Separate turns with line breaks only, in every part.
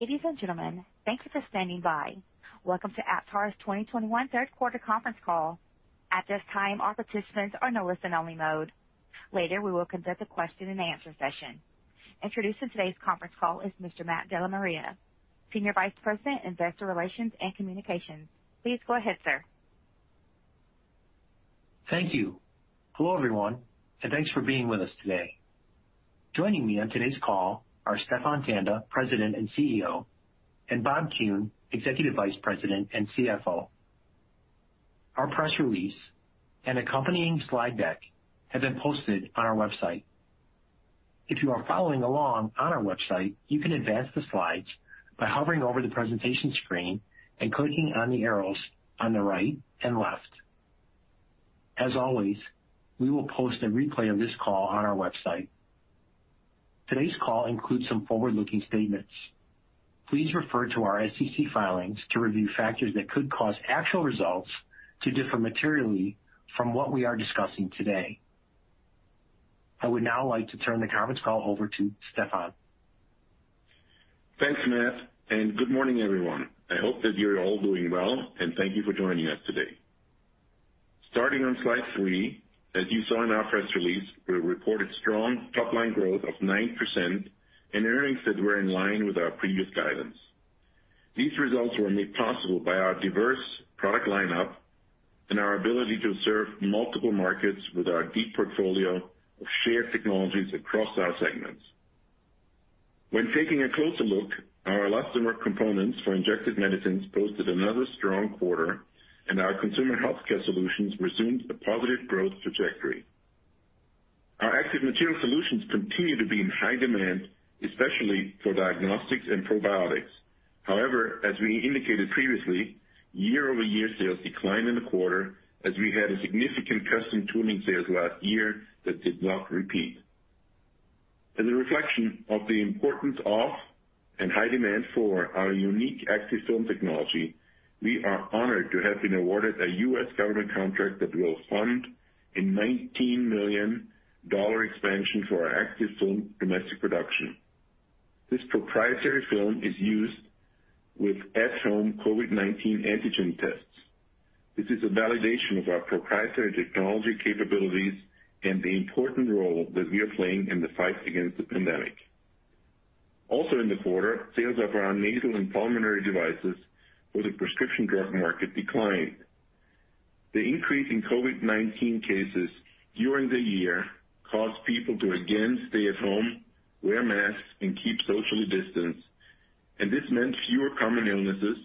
Ladies and gentlemen, thank you for standing by. Welcome to Aptar's 2021 Q3 conference call. At this time, all participants are in listen only mode. Later, we will conduct a question and answer session. Introducing today's conference call is Mr. Matt DellaMaria, Senior Vice President, Investor Relations and Communications. Please go ahead, sir.
Thank you. Hello, everyone, and thanks for being with us today. Joining me on today's call are Stephan Tanda, President and CEO, and Robert Kuhn, Executive Vice President and CFO. Our press release and accompanying slide deck have been posted on our website. If you are following along on our website, you can advance the slides by hovering over the presentation screen and clicking on the arrows on the right and left. As always, we will post a replay of this call on our website. Today's call includes some forward-looking statements. Please refer to our SEC filings to review factors that could cause actual results to differ materially from what we are discussing today. I would now like to turn the conference call over to Stephan.
Thanks, Matt, and good morning, everyone. I hope that you're all doing well, and thank you for joining us today. Starting on slide 3, as you saw in our press release, we reported strong top-line growth of 9% and earnings that were in line with our previous guidance. These results were made possible by our diverse product lineup and our ability to serve multiple markets with our deep portfolio of shared technologies across our segments. When taking a closer look, our elastomer components for injected medicines posted another strong quarter, and our consumer healthcare solutions resumed a positive growth trajectory. Our Active Material Solutions continue to be in high demand, especially for diagnostics and probiotics. However, as we indicated previously, year-over-year sales declined in the quarter as we had a significant custom tooling sales last year that did not repeat. As a reflection of the importance of and high demand for our unique Activ-Film technology, we are honored to have been awarded a U.S. government contract that will fund a $19 million expansion for our Activ-Film domestic production. This proprietary film is used with at-home COVID-19 antigen tests. This is a validation of our proprietary technology capabilities and the important role that we are playing in the fight against the pandemic. Also in the quarter, sales of our nasal and pulmonary devices for the prescription drug market declined. The increase in COVID-19 cases during the year caused people to again stay at home, wear masks, and keep socially distanced, and this meant fewer common illnesses,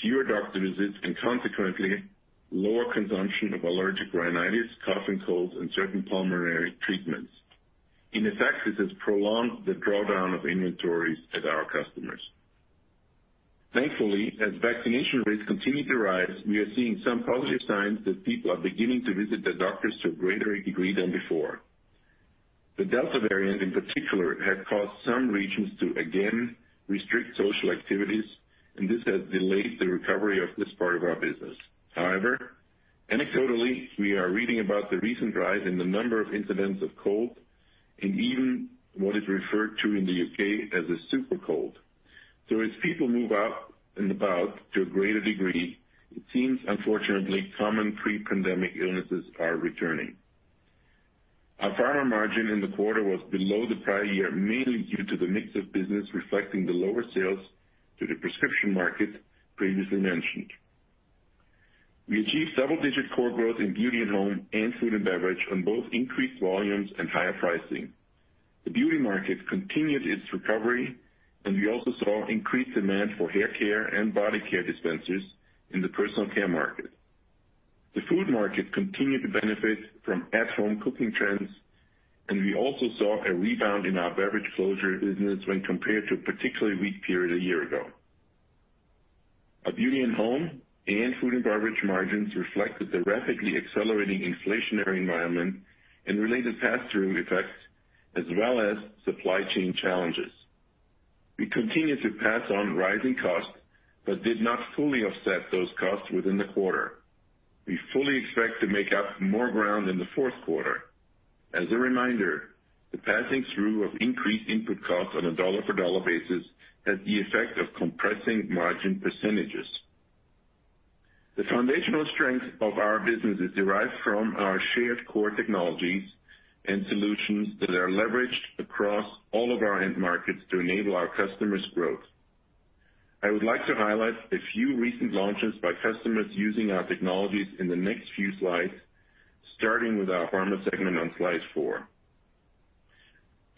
fewer doctor visits, and consequently, lower consumption of allergic rhinitis, cough and colds, and certain pulmonary treatments. In effect, this has prolonged the drawdown of inventories at our customers. Thankfully, as vaccination rates continue to rise, we are seeing some positive signs that people are beginning to visit their doctors to a greater degree than before. The Delta variant, in particular, has caused some regions to again restrict social activities, and this has delayed the recovery of this part of our business. However, anecdotally, we are reading about the recent rise in the number of incidents of cold and even what is referred to in the U.K. as a super cold. As people move out and about to a greater degree, it seems unfortunately common pre-pandemic illnesses are returning. Our pharma margin in the quarter was below the prior year, mainly due to the mix of business reflecting the lower sales to the prescription market previously mentioned. We achieved double-digit core growth in beauty and home and food and beverage on both increased volumes and higher pricing. The beauty market continued its recovery, and we also saw increased demand for hair care and body care dispensers in the personal care market. The food market continued to benefit from at-home cooking trends, and we also saw a rebound in our beverage closure business when compared to a particularly weak period a year ago. Our beauty and home and food and beverage margins reflected the rapidly accelerating inflationary environment and related pass-through effects as well as supply chain challenges. We continued to pass on rising costs but did not fully offset those costs within the quarter. We fully expect to make up more ground in the Q4. As a reminder, the passing through of increased input costs on a dollar-for-dollar basis has the effect of compressing margin percentages. The foundational strength of our businesses derives from our shared core technologies and solutions that are leveraged across all of our end markets to enable our customers' growth. I would like to highlight a few recent launches by customers using our technologies in the next few slides, starting with our Pharma segment on slide 4.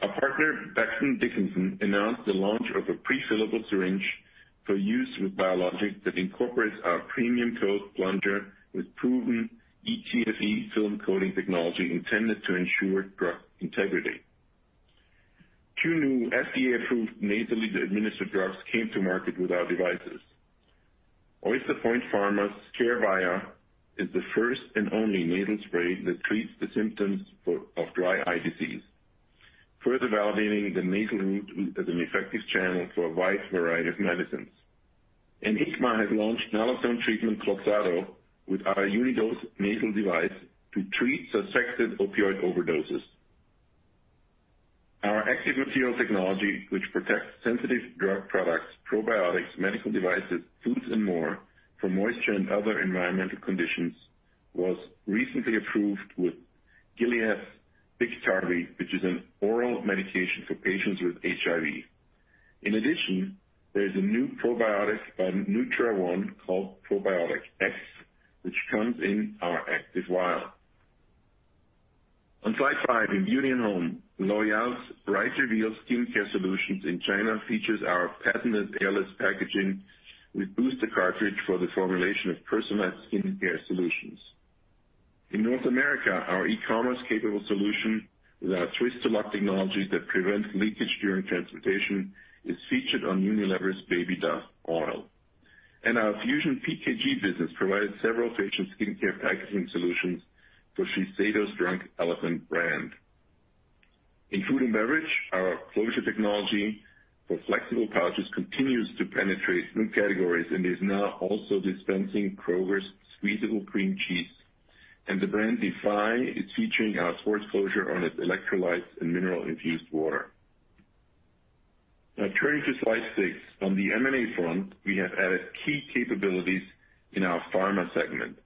Our partner Becton Dickinson announced the launch of a prefillable syringe for use with biologics that incorporates our premium-coated plunger with proven ETFE film coating technology intended to ensure drug integrity. 2 new FDA-approved nasally administered drugs came to market with our devices. Oyster Point Pharma's Tyrvaya is the first and only nasal spray that treats the symptoms of dry eye disease, further validating the nasal route as an effective channel for a wide variety of medicines. Hikma has launched naloxone treatment Kloxxado with our Unidose nasal device to treat suspected opioid overdoses. Our active material technology, which protects sensitive drug products, probiotics, medical devices, foods and more from moisture and other environmental conditions, was recently approved with Gilead's Biktarvy, which is an oral medication for patients with HIV. In addition, there is a new probiotic by Nutra-One called Probiotic-X, which comes in our Activ-Vial. On slide five, in beauty and home, L'Oréal's Bright Reveal skincare solutions in China features our patented airless packaging with booster cartridge for the formulation of personalized skincare solutions. In North America, our e-commerce capable solution with our twist to lock technology that prevents leakage during transportation is featured on Unilever's Baby Dove Oil. Our FusionPKG business provided several patent skincare packaging solutions for Shiseido's Drunk Elephant brand. In food and beverage, our closure technology for flexible pouches continues to penetrate food categories and is now also dispensing Kroger's squeezable cream cheese. The brand Define is featuring our sports closure on its electrolytes and mineral-infused water. Now turning to slide 6. On the M&A front, we have added key capabilities in our pharma segment.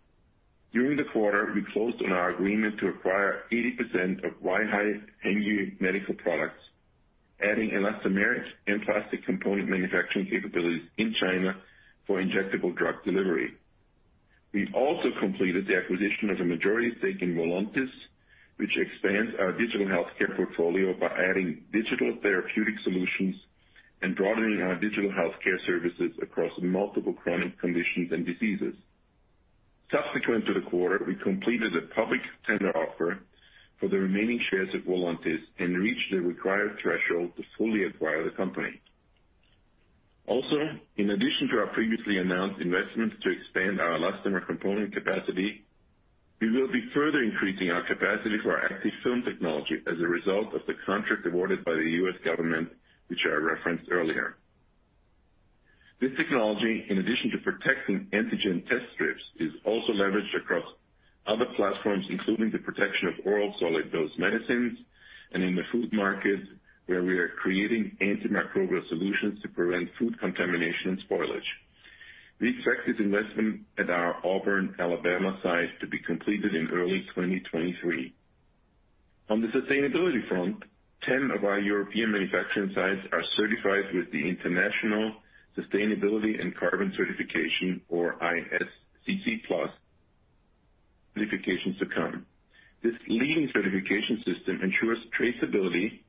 During the quarter, we closed on our agreement to acquire 80% of Weihai Hengyu Medical Products, adding elastomeric and plastic component manufacturing capabilities in China for injectable drug delivery. We also completed the acquisition of a majority stake in Voluntis, which expands our digital healthcare portfolio by adding digital therapeutic solutions and broadening our digital healthcare services across multiple chronic conditions and diseases. Subsequent to the quarter, we completed a public tender offer for the remaining shares of Voluntis and reached the required threshold to fully acquire the company. In addition to our previously announced investments to expand our elastomer components capacity, we will be further increasing our capacity for our Activ-Film technology as a result of the contract awarded by the U.S. government, which I referenced earlier. This technology, in addition to protecting antigen test strips, is also leveraged across other platforms, including the protection of oral solid dose medicines and in the food market, where we are creating antimicrobial solutions to prevent food contamination and spoilage. We expect this investment at our Auburn, Alabama site to be completed in early 2023. On the sustainability front, 10 of our European manufacturing sites are certified with the International Sustainability and Carbon Certification or ISCC PLUS certification to come. This leading certification system ensures traceability,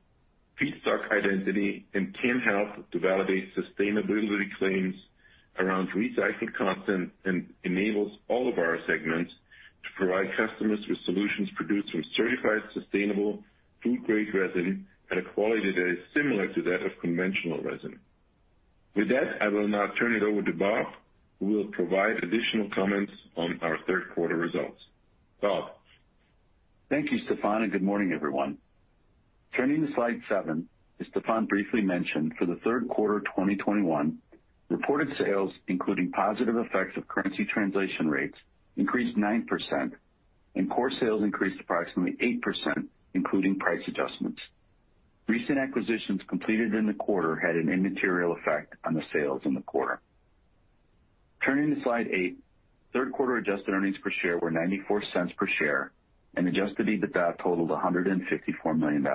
feedstock identity, and can help to validate sustainability claims around recycled content, and enables all of our segments to provide customers with solutions produced from certified sustainable food-grade resin at a quality that is similar to that of conventional resin. With that, I will now turn it over to Bob, who will provide additional comments on our Q3 results. Bob?
Thank you, Stephan, and good morning, everyone. Turning to slide 7. As Stephan briefly mentioned, for the Q3 of 2021, reported sales, including positive effects of currency translation rates, increased 9% and core sales increased approximately 8%, including price adjustments. Recent acquisitions completed in the quarter had an immaterial effect on the sales in the quarter. Turning to slide 8. Q3 adjusted earnings per share were $0.94 per share and adjusted EBITDA totaled $154 million.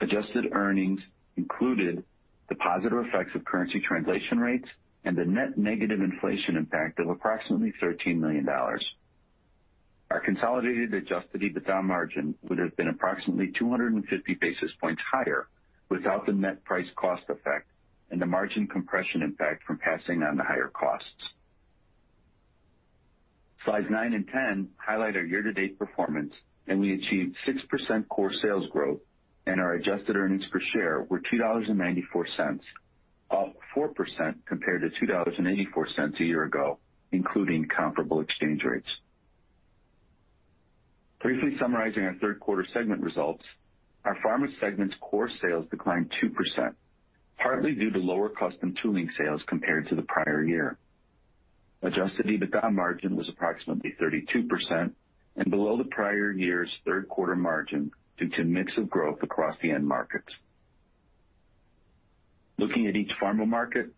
Adjusted earnings included the positive effects of currency translation rates and a net negative inflation impact of approximately $13 million. Our consolidated adjusted EBITDA margin would have been approximately 250 basis points higher without the net price cost effect and the margin compression impact from passing on the higher costs. Slides 9 and 10 highlight our year-to-date performance, and we achieved 6% core sales growth and our adjusted earnings per share were $2.94, up 4% compared to $2.84 a year ago, including comparable exchange rates. Briefly summarizing our Q3 segment results, our pharma segment's core sales declined 2%, partly due to lower custom tooling sales compared to the prior year. Adjusted EBITDA margin was approximately 32% and below the prior year's Q3 margin due to mix of growth across the end markets. Looking at each pharma market,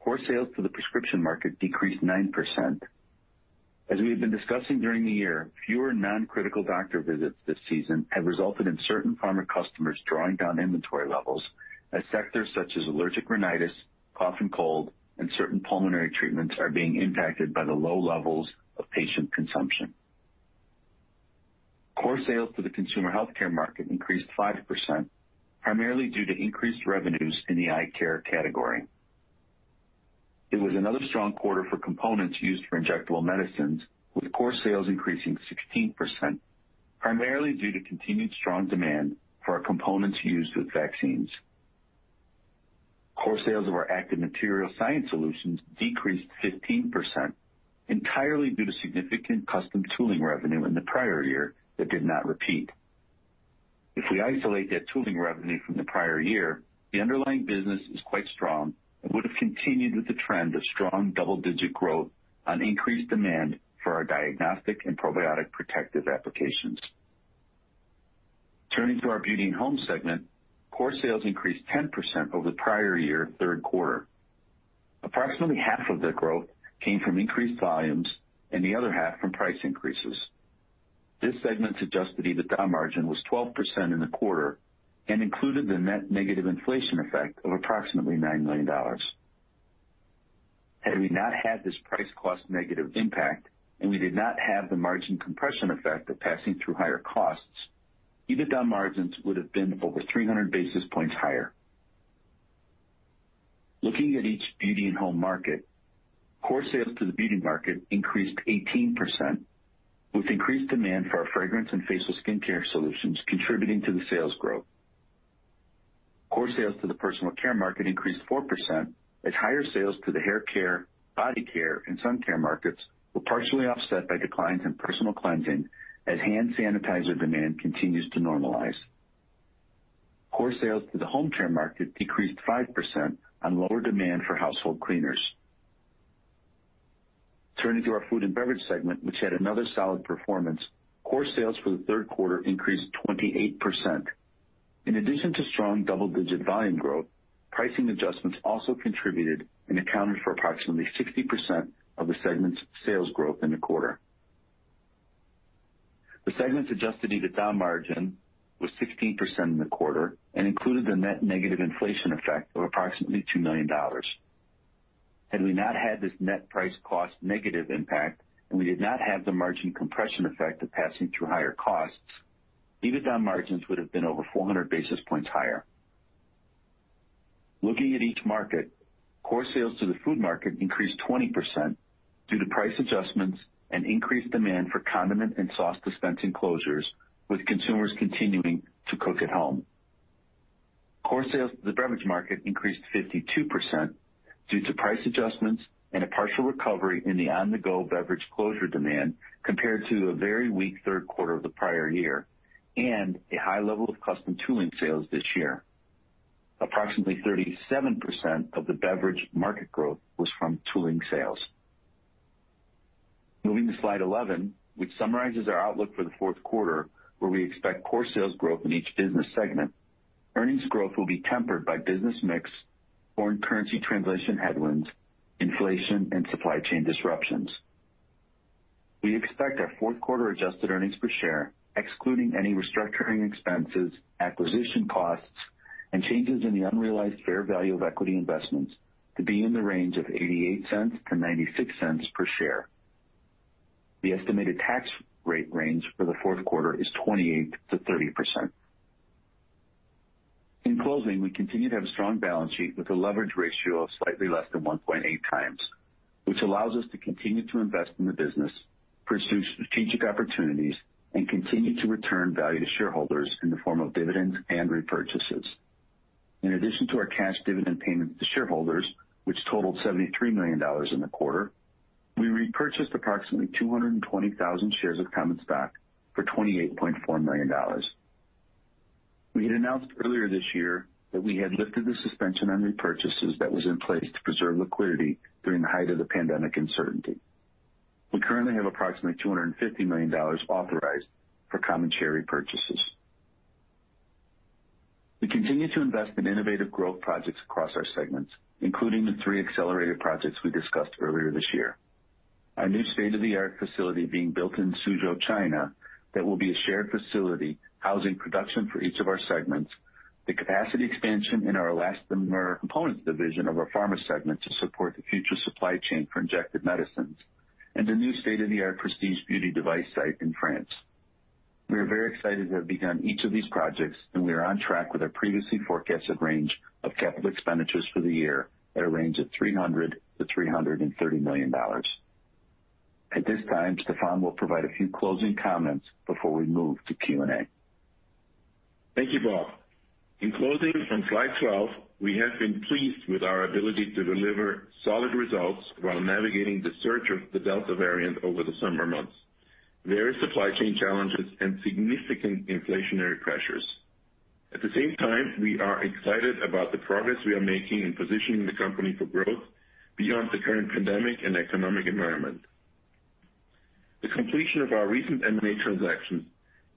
core sales to the prescription market decreased 9%. As we have been discussing during the year, fewer non-critical doctor visits this season have resulted in certain pharma customers drawing down inventory levels as sectors such as allergic rhinitis, cough and cold, and certain pulmonary treatments are being impacted by the low levels of patient consumption. Core sales to the consumer healthcare market increased 5%, primarily due to increased revenues in the eye care category. It was another strong quarter for components used for injectable medicines, with core sales increasing 16%, primarily due to continued strong demand for our components used with vaccines. Core sales of our Active Material Science solutions decreased 15%, entirely due to significant custom tooling revenue in the prior year that did not repeat. If we isolate that tooling revenue from the prior-year Q3, the underlying business is quite strong and would have continued with the trend of strong double-digit growth on increased demand for our diagnostic and probiotic protective applications. Turning to our beauty and home segment, core sales increased 10% over the prior-year Q3. Approximately half of the growth came from increased volumes and the other half from price increases. This segment's adjusted EBITDA margin was 12% in the quarter and included the net negative inflation effect of approximately $9 million. Had we not had this price cost negative impact, and we did not have the margin compression effect of passing through higher costs, EBITDA margins would have been over 300 basis points higher. Looking at each Beauty and Home market, core sales to the Beauty market increased 18% with increased demand for our fragrance and facial skincare solutions contributing to the sales growth. Core sales to the personal care market increased 4% as higher sales to the hair care, body care, and sun care markets were partially offset by declines in personal cleansing as hand sanitizer demand continues to normalize. Core sales to the home care market decreased 5% on lower demand for household cleaners. Turning to our Food and Beverage segment, which had another solid performance, core sales for the Q3 increased 28%. In addition to strong double-digit volume growth, pricing adjustments also contributed and accounted for approximately 60% of the segment's sales growth in the quarter. The segment's adjusted EBITDA margin was 16% in the quarter and included the net negative inflation effect of approximately $2 million. Had we not had this net price cost negative impact, and we did not have the margin compression effect of passing through higher costs, EBITDA margins would have been over 400 basis points higher. Looking at each market, core sales to the food market increased 20% due to price adjustments and increased demand for condiment and sauce dispensing closures with consumers continuing to cook at home. Core sales to the beverage market increased 52% due to price adjustments and a partial recovery in the on-the-go beverage closure demand compared to a very weak Q3 of the prior year and a high level of custom tooling sales this year. Approximately 37% of the beverage market growth was from tooling sales. Moving to slide 11, which summarizes our outlook for the Q4, where we expect core sales growth in each business segment. Earnings growth will be tempered by business mix, foreign currency translation headwinds, inflation, and supply chain disruptions. We expect our Q4 adjusted earnings per share, excluding any restructuring expenses, acquisition costs, and changes in the unrealized fair value of equity investments, to be in the range of $0.88-$0.96 per share. The estimated tax rate range for the Q4 is 28%-30%. In closing, we continue to have a strong balance sheet with a leverage ratio of slightly less than 1.8x, which allows us to continue to invest in the business, pursue strategic opportunities, and continue to return value to shareholders in the form of dividends and repurchases. In addition to our cash dividend payments to shareholders, which totaled $73 million in the quarter, we repurchased approximately 220,000 shares of common stock for $28.4 million. We had announced earlier this year that we had lifted the suspension on repurchases that was in place to preserve liquidity during the height of the pandemic uncertainty. We currently have approximately $250 million authorized for common share repurchases. We continue to invest in innovative growth projects across our segments, including the three accelerated projects we discussed earlier this year, our new state-of-the-art facility being built in Suzhou, China, that will be a shared facility housing production for each of our segments, and the capacity expansion in our Elastomer Components Division of our Pharma segment to support the future supply chain for injectable medicines. A new state-of-the-art prestige beauty device site in France. We are very excited to have begun each of these projects, and we are on track with our previously forecasted range of capital expenditures for the year at a range of $300 million-$330 million. At this time, Stephan will provide a few closing comments before we move to Q&A.
Thank you, Bob. In closing, on slide 12, we have been pleased with our ability to deliver solid results while navigating the surge of the Delta variant over the summer months, various supply chain challenges and significant inflationary pressures. At the same time, we are excited about the progress we are making in positioning the company for growth beyond the current pandemic and economic environment. The completion of our recent M&A transactions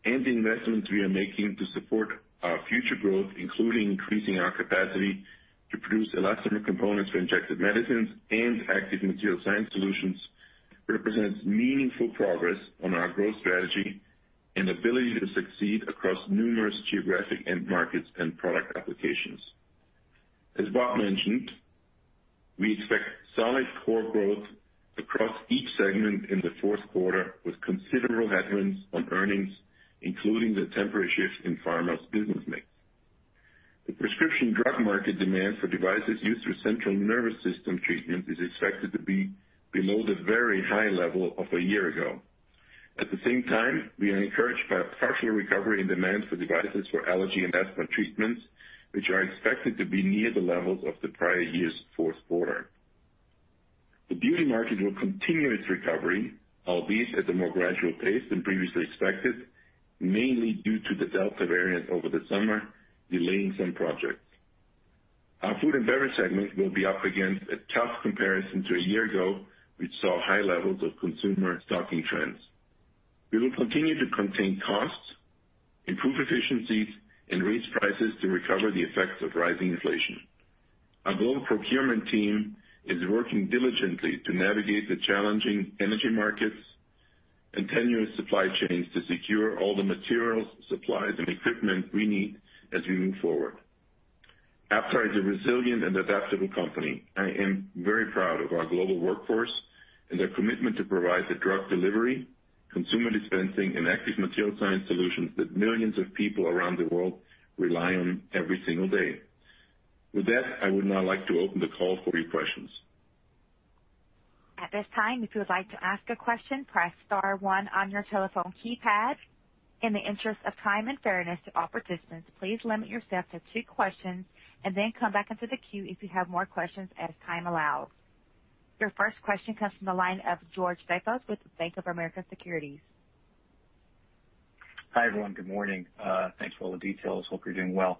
and the investments we are making to support our future growth, including increasing our capacity to produce elastomer components for injectable medicines and Active Material Science solutions, represents meaningful progress on our growth strategy and ability to succeed across numerous geographic end markets and product applications. As Bob mentioned, we expect solid core growth across each segment in the Q4, with considerable headwinds on earnings, including the temporary shift in Pharma's business mix. The prescription drug market demand for devices used for central nervous system treatment is expected to be below the very high level of a year ago. At the same time, we are encouraged by a partial recovery in demand for devices for allergy and asthma treatments, which are expected to be near the levels of the prior year's Q4. The beauty market will continue its recovery, albeit at a more gradual pace than previously expected, mainly due to the Delta variant over the summer, delaying some projects. Our food and beverage segment will be up against a tough comparison to a year ago, which saw high levels of consumer stocking trends. We will continue to contain costs, improve efficiencies and raise prices to recover the effects of rising inflation. Our global procurement team is working diligently to navigate the challenging energy markets and tenuous supply chains to secure all the materials, supplies and equipment we need as we move forward. AptarGroup is a resilient and adaptable company. I am very proud of our global workforce and their commitment to provide the drug delivery, consumer dispensing and active material science solutions that millions of people around the world rely on every single day. With that, I would now like to open the call for your questions.
At this time, if you would like to ask a question, press star one on your telephone keypad. In the interest of time and fairness to all participants, please limit yourself to two questions and then come back into the queue if you have more questions as time allows. Your first question comes from the line of George Staphos with Bank of America Securities.
Hi, everyone. Good morning. Thanks for all the details. Hope you're doing well.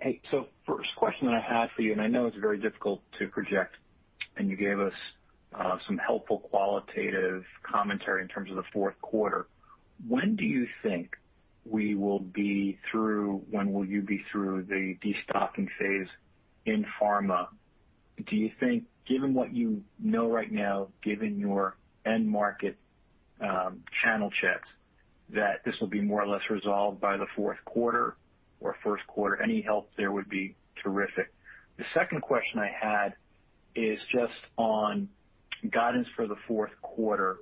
Hey, so first question I had for you, and I know it's very difficult to project, and you gave us some helpful qualitative commentary in terms of the Q4. When will you be through the destocking phase in pharma? Do you think, given what you know right now, given your end market, channel checks, that this will be more or less resolved by the Q4 or first quarter? Any help there would be terrific. The second question I had is just on guidance for the Q4.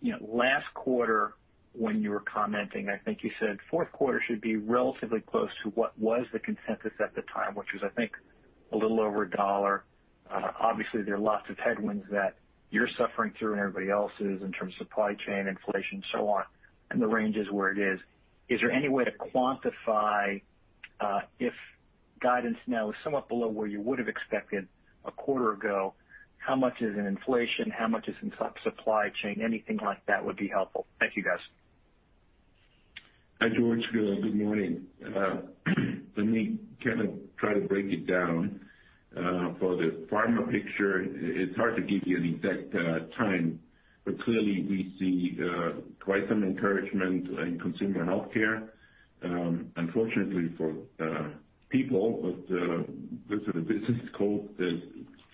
You know, last quarter when you were commenting, I think you said Q4 should be relatively close to what was the consensus at the time, which was, I think, a little over $1. Obviously there are lots of headwinds that you're suffering through and everybody else is in terms of supply chain, inflation, so on, and the range is where it is. Is there any way to quantify, if guidance now is somewhat below where you would have expected a quarter ago, how much is in inflation, how much is in supply chain? Anything like that would be helpful. Thank you, guys.
Hi, George. Good morning. Let me try to break it down. For the pharma picture, it's hard to give you an exact time, but clearly we see quite some encouragement in consumer healthcare. Unfortunately for people, the cold business that's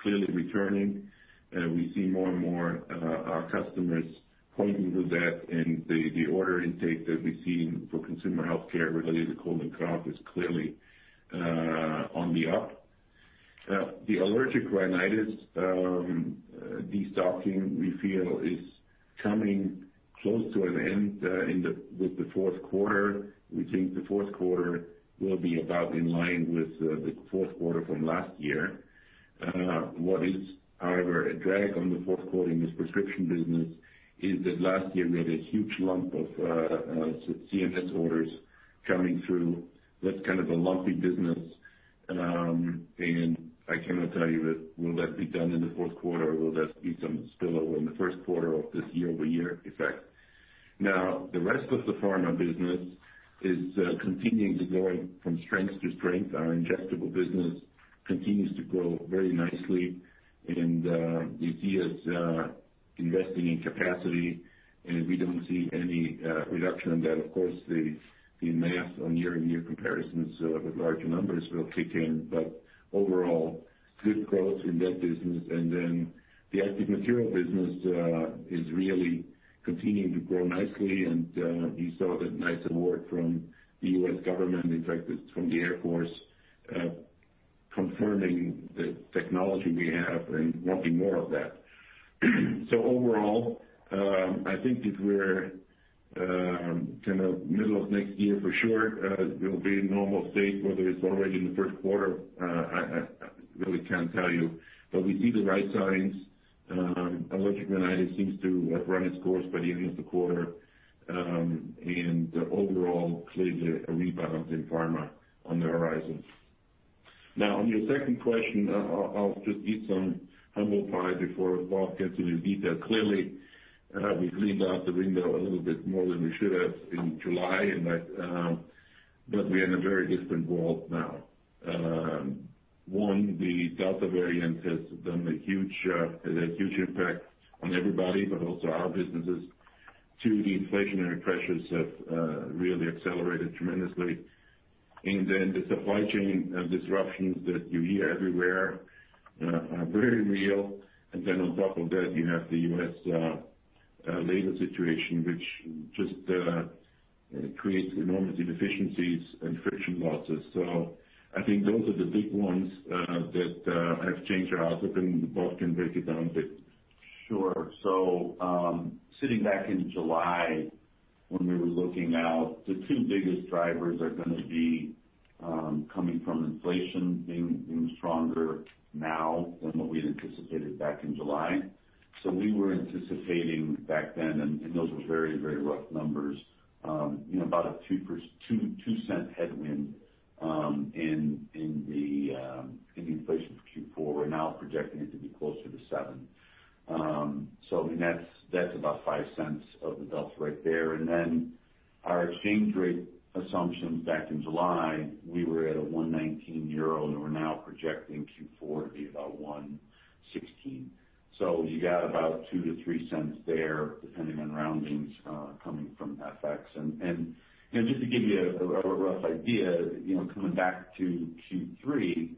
clearly returning, we see more and more our customers pointing to that and the order intake that we've seen for consumer healthcare related to cold and cough is clearly on the up. The allergic rhinitis destocking we feel is coming close to an end with the Q4. We think the Q4 will be about in line with the Q4 from last year. What is, however, a drag on the Q4 in this prescription business is that last year we had a huge lump of CNS orders coming through. That's a lumpy business. I cannot tell you that will that be done in the Q4 or will that be some spill over in the first quarter of this year-over-year effect. Now, the rest of the pharma business is continuing to going from strength to strength. Our injectable business continues to grow very nicely. We see us investing in capacity, and we don't see any reduction in that. Of course, the math on year-on-year comparisons with larger numbers will kick in. Overall, good growth in that business. The active material business is really continuing to grow nicely. You saw that nice award from the US government, in fact it's from the Air Force, confirming the technology we have and wanting more of that. Overall, it will middle of next year for sure it will be a normal state, whether it's already in the first quarter, I really can't tell you. We see the right signs. Allergic rhinitis seems to have run its course by the end of the quarter. Overall, clearly a rebound in pharma on the horizon. Now, on your second question, I'll just eat some humble pie before Bob gets into the detail. Clearly, we cleaned out the window a little bit more than we should have in July, and we're in a very different world now. One, the Delta variant has done a huge impact on everybody, but also our businesses. Two, the inflationary pressures have really accelerated tremendously. The supply chain disruptions that you hear everywhere are very real. On top of that, you have the U.S. labor situation, which just creates enormous inefficiencies and friction losses. I think those are the big ones that have changed our outlook, and Bob can break it down a bit.
Sure. Sitting back in July when we were looking out, the 2 biggest drivers are gonna be coming from inflation being stronger now than what we had anticipated back in July. We were anticipating back then, and those were very rough numbers, you know, about a $0.02 headwind, and In the inflation for Q4, we're now projecting it to be closer to 7%. I mean, that's about 5 cents of the delta right there. Our exchange rate assumptions back in July, we were at a 1.19 euro, and we're now projecting Q4 to be about 1.16. You got about 2-3 cents there, depending on roundings, coming from FX. You know, just to give you a rough idea, you know, coming back to Q3,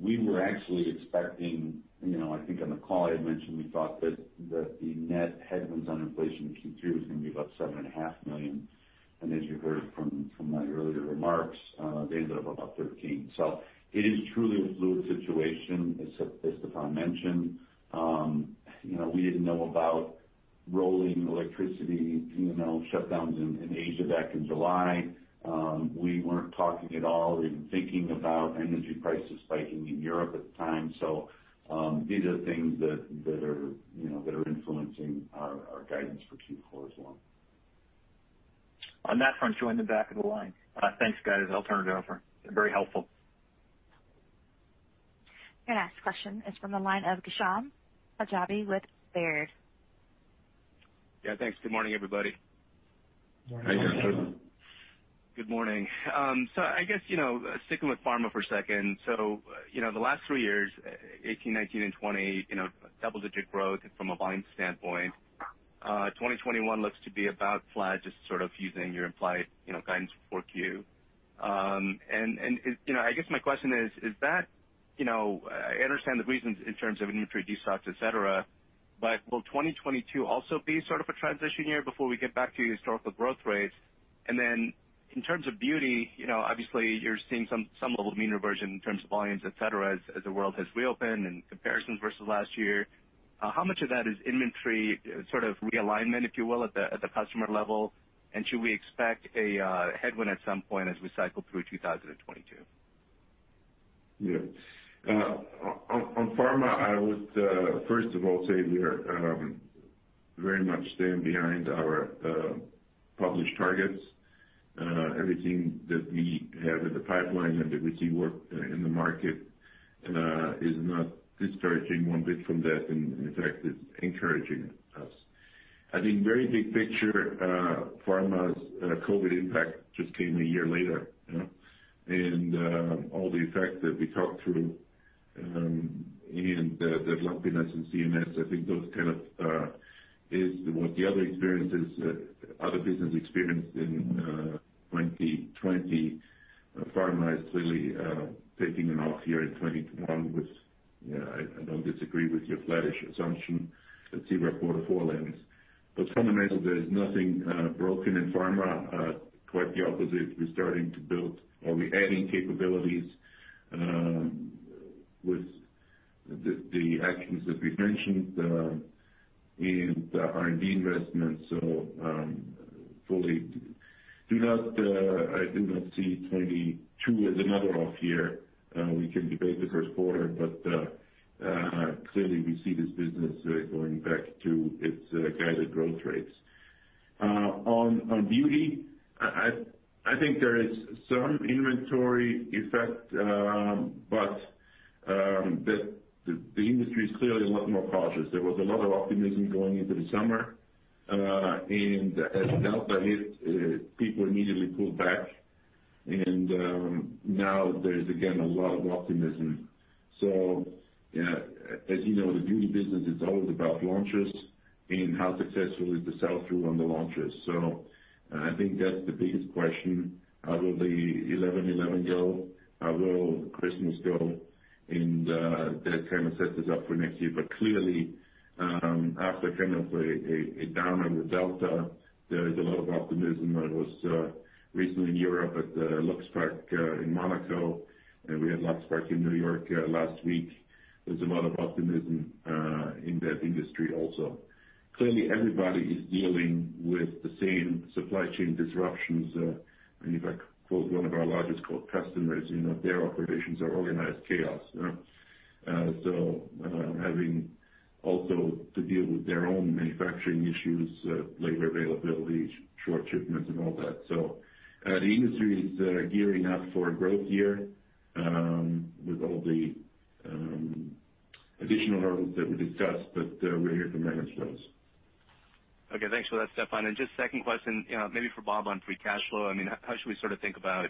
we were actually expecting, you know, I think on the call I had mentioned we thought that the net headwinds on inflation in Q3 was gonna be about $7.5 million. As you heard from my earlier remarks, they ended up about $13 million. It is truly a fluid situation, as Stefan mentioned. You know, we didn't know about rolling electricity, you know, shutdowns in Asia back in July. We weren't talking at all and thinking about energy prices spiking in Europe at the time. These are things that are influencing our guidance for Q4 as well.
On that front, join the back of the line. Thanks, guys. I'll turn it over. Very helpful.
Our next question is from the line of Ghansham Panjabi with Baird.
Yeah, thanks. Good morning, everybody.
Morning. Hi, Ghansham.
Good morning. I guess, you know, sticking with pharma for a second. You know, the last three years, 2018, 2019, and 2020, you know, double-digit growth from a volume standpoint. 2021 looks to be about flat, just using your implied, you know, guidance for Q. And, you know, I guess my question is that, you know, I understand the reasons in terms of inventory de-stocks, et cetera, but will 2022 also be a transition year before we get back to historical growth rates? Then in terms of beauty, you know, obviously you're seeing some level of mean reversion in terms of volumes, et cetera, as the world has reopened and comparisons versus last year. How much of that is inventory realignment, if you will, at the customer level? Should we expect a headwind at some point as we cycle through 2022?
On pharma, I would first of all say we are very much standing behind our published targets. Everything that we have in the pipeline and that we see work in the market is not discouraging one bit from that, and in fact is encouraging us. I think very big picture, pharma's COVID impact just came a year later, you know. All the effects that we talked through and the lumpiness in CNS, I think those is what other businesses experienced in 2020. Pharma is clearly taking an off year in 2021 with, you know, I don't disagree with your flattish assumption. Let's see where quarter four lands. Fundamentally, there's nothing broken in pharma. Quite the opposite. We're starting to build or we're adding capabilities with the actions that we've mentioned in the R&D investments. I do not see 2022 as another off year. We can debate the first quarter, but clearly we see this business going back to its guided growth rates. On Beauty, I think there is some inventory effect, but the industry is clearly a lot more cautious. There was a lot of optimism going into the summer, and as Delta hit, people immediately pulled back and now there's again a lot of optimism. You know, as you know, the Beauty business is always about launches and how successful is the sell-through on the launches. I think that's the biggest question. How will the 11.11 go? How will Christmas go? That sets us up for next year. Clearly, after a downer with Delta, there is a lot of optimism. I was recently in Europe at Luxe Pack in Monaco, and we had Luxe Pack in New York last week. There's a lot of optimism in that industry also. Clearly everybody is dealing with the same supply chain disruptions. If I quote one of our largest customers, you know, their operations are organized chaos, you know? Having also to deal with their own manufacturing issues, labor availability, short shipments and all that. The industry is gearing up for a growth year with all the additional hurdles that we discussed. We're here to manage those.
Okay, thanks for that, Stephan. Just second question, maybe for Bob on free cash flow. I mean, how should we think about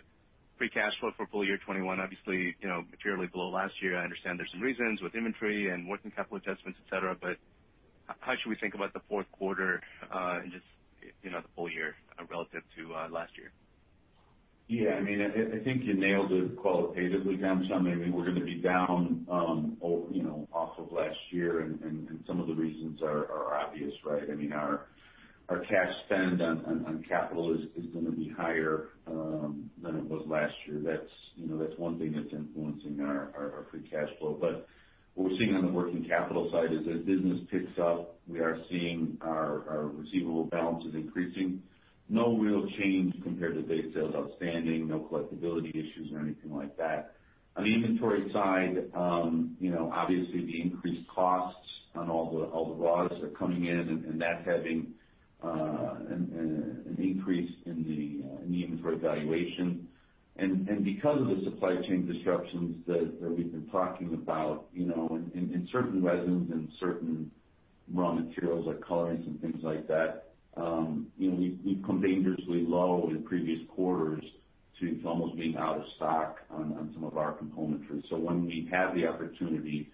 free cash flow for full year 2021? Obviously, you know, materially below last year. I understand there's some reasons with inventory and working capital adjustments, et cetera. But how should we think about the Q4, and just, you know, the full year relative to last year?
Yeah, I mean, I think you nailed it qualitatively, Ghansham. I mean, we're gonna be down, you know, off of last year, and some of the reasons are obvious, right? I mean, our cash spend on capital is gonna be higher than it was last year. That's one thing that's influencing our free cash flow. What we're seeing on the working capital side is as business picks up, we are seeing our receivable balances increasing. No real change compared to day sales outstanding, no collectibility issues or anything like that. On the inventory side, you know, obviously the increased costs on all the raws that are coming in and that's having an increase in the inventory valuation.
Because of the supply chain disruptions that we've been talking about, you know, in certain resins and certain raw materials like colorings and things like that, you know, we've come dangerously low in previous quarters. To almost being out of stock on some of our componentry. When we have the opportunity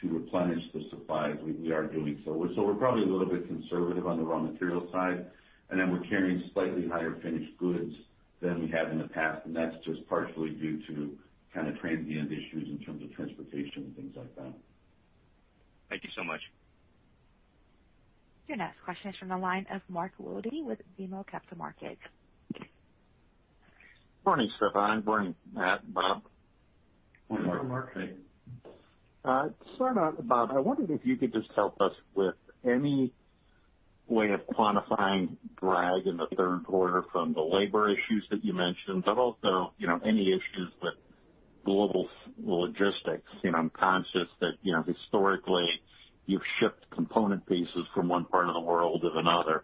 to replenish the supplies, we are doing so. We're probably a little bit conservative on the raw material side, and then we're carrying slightly higher finished goods than we have in the past. That's just partially due to transient issues in terms of transportation and things like that.
Thank you so much.
Your next question is from the line of Mark Wilde with BMO Capital Markets.
Morning, Stefan. Morning, Matt and Bob.
Morning, Mark.
Morning.
Bob, I wondered if you could just help us with any way of quantifying drag in the Q3 from the labor issues that you mentioned, but also, you know, any issues with global logistics. You know, I'm conscious that, you know, historically you've shipped component pieces from one part of the world to another.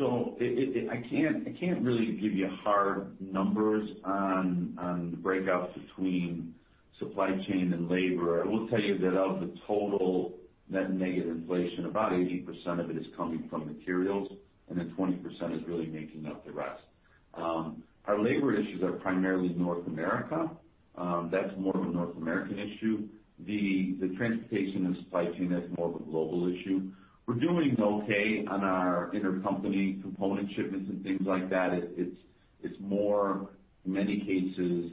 I can't really give you hard numbers on the breakout between supply chain and labor. I will tell you that of the total net negative inflation, about 80% of it is coming from materials, and then 20% is really making up the rest. Our labor issues are primarily North America. That's more of a North American issue. The transportation and supply chain, that's more of a global issue. We're doing okay on our intercompany component shipments and things like that. It's more, in many cases,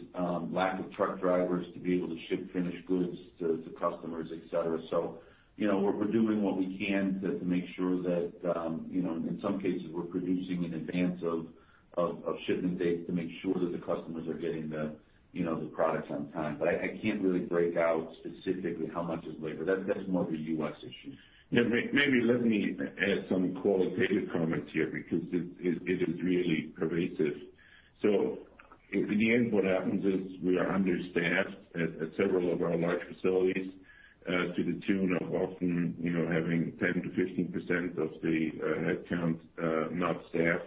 lack of truck drivers to be able to ship finished goods to customers, et cetera. You know, we're doing what we can to make sure that, you know, in some cases we're producing in advance of shipment dates to make sure that the customers are getting the, you know, the products on time. But I can't really break out specifically how much is labor. That's more of a U.S. issue.
Yeah. Maybe let me add some qualitative comments here because it is really pervasive. In the end, what happens is we are understaffed at several of our large facilities to the tune of often, you know, having 10%-15% of the headcount not staffed.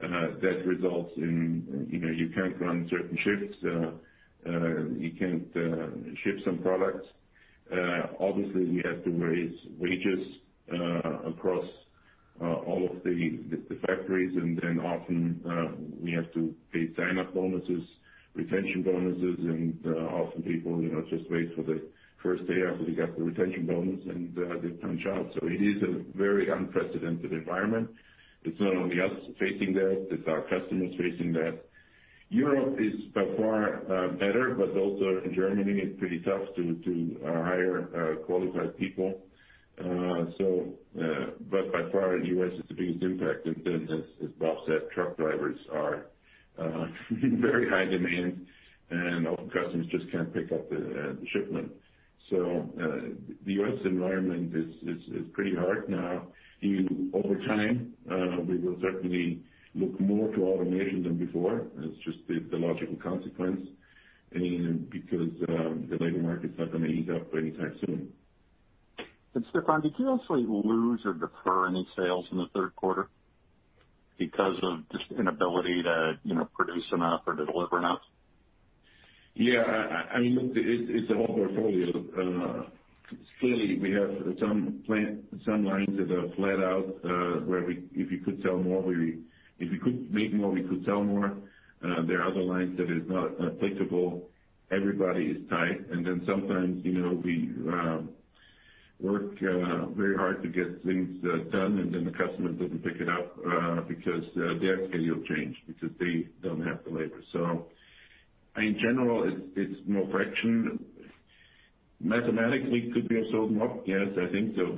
That results in, you know, you can't run certain shifts, you can't ship some products. Obviously, we have to raise wages across all of the factories, and then often we have to pay sign-up bonuses, retention bonuses, and often people, you know, just wait for the first day after they get the retention bonus, and they punch out. It is a very unprecedented environment. It's not only us facing that, it's our customers facing that. Europe is by far better, but also in Germany, it's pretty tough to hire qualified people. U.S. has the biggest impact. As Bob said, truck drivers are in very high demand, and often customers just can't pick up the shipment. The U.S. environment is pretty hard now. Over time, we will certainly look more to automation than before. That's just the logical consequence, and because the labor market's not gonna ease up anytime soon.
Stephan, did you also lose or defer any sales in the Q3 because of just inability to, you know, produce enough or to deliver enough?
Yeah. I mean, look, it's the whole portfolio. Clearly we have some lines that are flat out, where if you could sell more, if you could make more, we could sell more. There are other lines that is not applicable. Everybody is tight. Then sometimes, you know, we work very hard to get things done, and then the customer doesn't pick it up because their schedule changed because they don't have the labor. In general, it's no friction. Mathematically could we have sold more? Yes, I think so.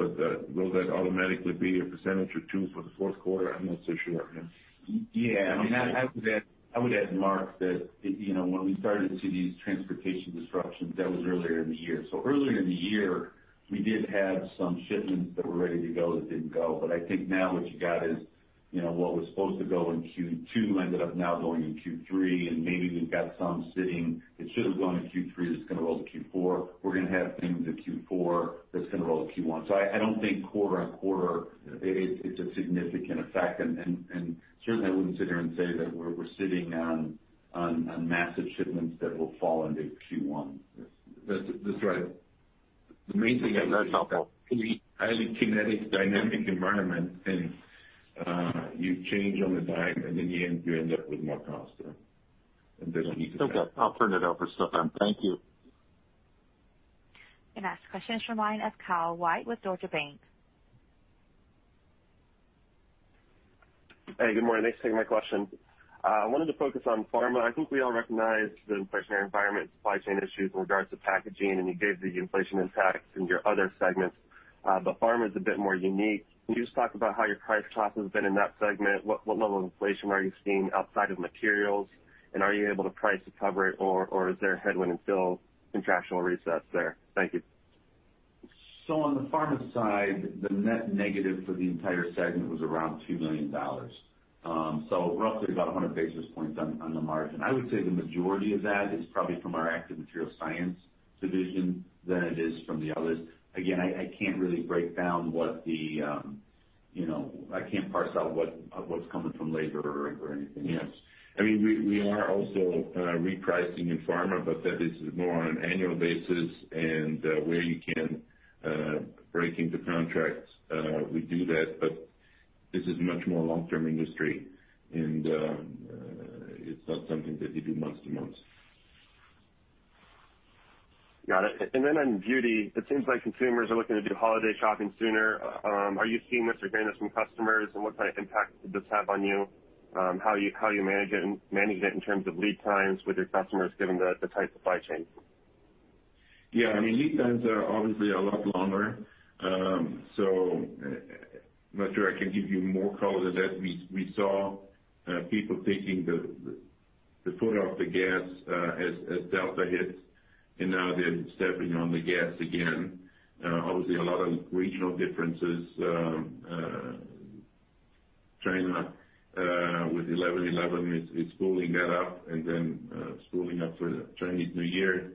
Will that automatically be a percentage or two for the Q4? I'm not so sure.
Yeah. I mean, I would add, Mark, that, you know, when we started to see these transportation disruptions, that was earlier in the year. Earlier in the year, we did have some shipments that were ready to go that didn't go. I think now what you got is, you know, what was supposed to go in Q2 ended up now going in Q3, and maybe we've got some sitting that should have gone in Q3 that's gonna roll to Q4. We're gonna have things in Q4 that's gonna roll to Q1. I don't think quarter on quarter it's a significant effect. Certainly I wouldn't sit here and say that we're sitting on massive shipments that will fall into Q1.
That's right. The main thing is.
That's helpful.
It's a highly kinetic, dynamic environment and you change on a dime, and in the end you end up with more costs and there's-
Okay. I'll turn it over, Stephan. Thank you.
The next question is from the line of Kyle White with Deutsche Bank.
Hey, good morning. Thanks for taking my question. I wanted to focus on pharma. I think we all recognize the inflationary environment and supply chain issues in regards to packaging, and you gave the inflation impacts in your other segments. Pharma's a bit more unique. Can you just talk about how your price/cost has been in that segment? What level of inflation are you seeing outside of materials? And are you able to price to cover it or is there a headwind until contractual resets there? Thank you.
On the pharma side, the net negative for the entire segment was around $2 million. Roughly about 100 basis points on the margin. I would say the majority of that is probably from our Active Material Science division than it is from the others. Again, I can't really break down or parse out what's coming from labor or anything else.
I mean, we are also repricing in pharma, but that is more on an annual basis and where you can break into contracts, we do that. This is much more long-term industry and it's not something that you do month to month.
Got it. On Beauty, it seems like consumers are looking to do holiday shopping sooner. Are you seeing this or hearing this from customers, and what impact does this have on you? How you manage it in terms of lead times with your customers given the tight supply chain?
Yeah, I mean, lead times are obviously a lot longer. I'm not sure I can give you more color than that. We saw people taking the foot off the gas as Delta hit, and now they're stepping on the gas again. Obviously a lot of regional differences. China with 11.11 is spooling that up and then spooling up for the Chinese New Year.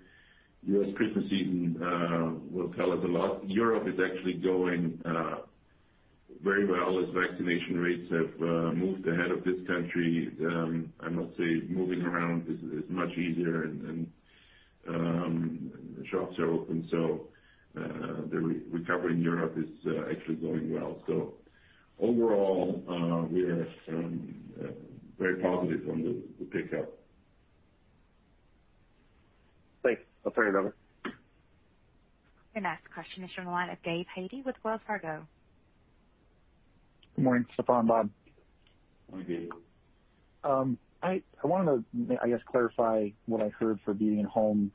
U.S. Christmas season will tell us a lot. Europe is actually going very well as vaccination rates have moved ahead of this country. I must say, moving around is much easier and the shops are open. The recovery in Europe is actually going well. Overall, we are very positive on the pickup.
Thanks. I'll turn it over.
Your next question is from the line of Gabe Hajde with Wells Fargo.
Good morning, Stephan, Bob.
Good morning, Gabe.
I wanted to, I guess, clarify what I heard for Beauty and Home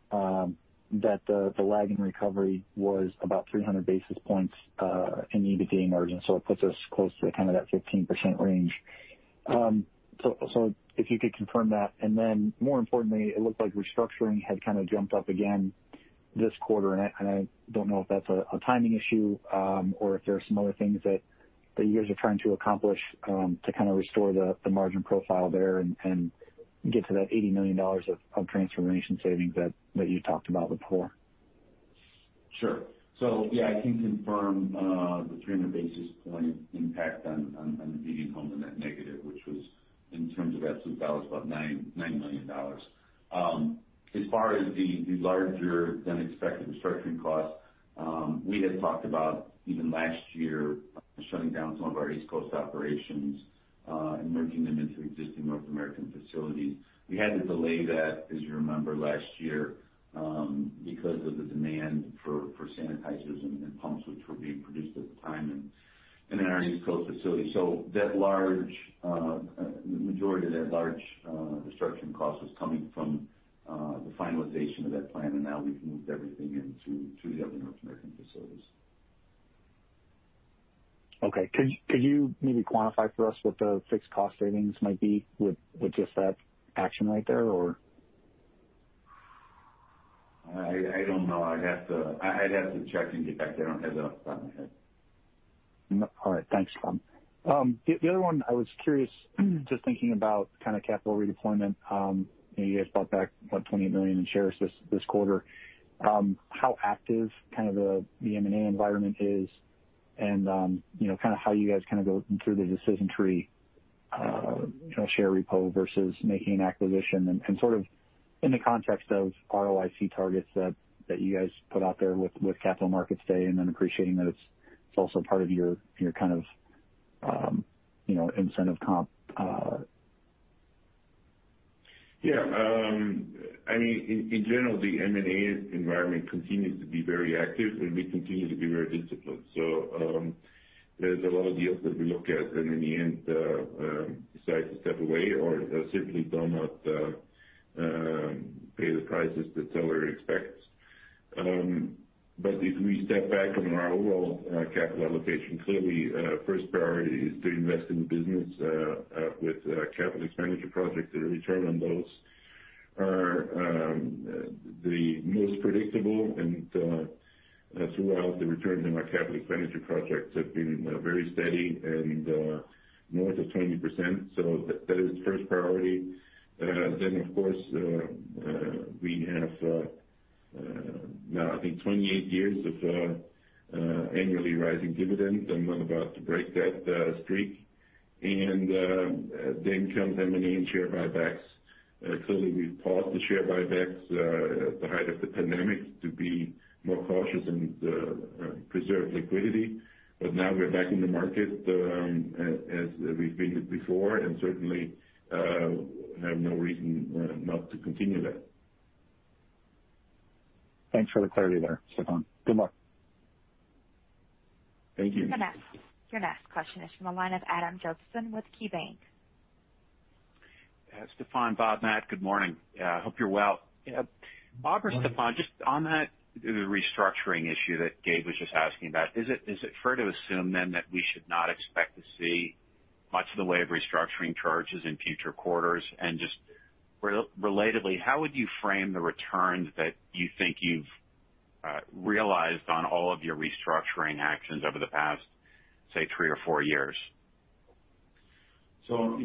that the lagging recovery was about 300 basis points in EBITDA margin, so it puts us close to that 15% range. If you could confirm that. More importantly, it looked like restructuring had jumped up again this quarter, and I don't know if that's a timing issue or if there are some other things that you guys are trying to accomplish to restore the margin profile there and get to that $80 million of transformation savings that you talked about before.
Sure. Yeah, I can confirm the 300 basis point impact on the Beauty and Home on that negative, which was in terms of absolute dollars, about $9 million. As far as the larger than expected restructuring costs, we had talked about even last year, shutting down some of our East Coast operations and merging them into existing North American facilities. We had to delay that, as you remember last year, because of the demand for sanitizers and pumps which were being produced at the time in our East Coast facility. The majority of that large restructuring cost was coming from the finalization of that plan, and now we've moved everything into two of the other North American facilities.
Okay. Could you maybe quantify for us what the fixed cost savings might be with just that action right there, or?
I don't know. I'd have to check and get back to you. I don't have that off the top of my head.
No. All right. Thanks, Bob. The other one, I was curious, just thinking about capital redeployment. You guys bought back, what, 20 million shares this quarter. How active the M&A environment is and, you know, how you guys go though the decision tree, you know, share repo versus making an acquisition and in the context of ROIC targets that you guys put out there with Capital Markets Day, and then appreciating that it's also part of your, you know, incentive comp.
Yeah. I mean, in general, the M&A environment continues to be very active, and we continue to be very disciplined. There's a lot of deals that we look at, and in the end, decide to step away or simply do not pay the prices the seller expects. If we step back from our overall capital allocation, clearly, first priority is to invest in the business with capital expenditure projects. The return on those are the most predictable and throughout the returns on our capital expenditure projects have been very steady and north of 20%. That is first priority. Of course, we have now I think 28 years of annually rising dividends. I'm not about to break that streak. Then comes M&A and share buybacks. Clearly we've paused the share buybacks at the height of the pandemic to be more cautious and preserve liquidity. But now we're back in the market, as we've been before, and certainly have no reason not to continue that.
Thanks for the clarity there, Stephan. Good luck.
Thank you.
Your next question is from the line of Adam Josephson with KeyBank.
Stephan, Bob, Matt, good morning. Hope you're well. Bob or Stephan, just on that, the restructuring issue that Gabe was just asking about, is it fair to assume then that we should not expect to see much in the way of restructuring charges in future quarters? Just relatedly, how would you frame the returns that you think you've realized on all of your restructuring actions over the past, say, three or four years?
I'll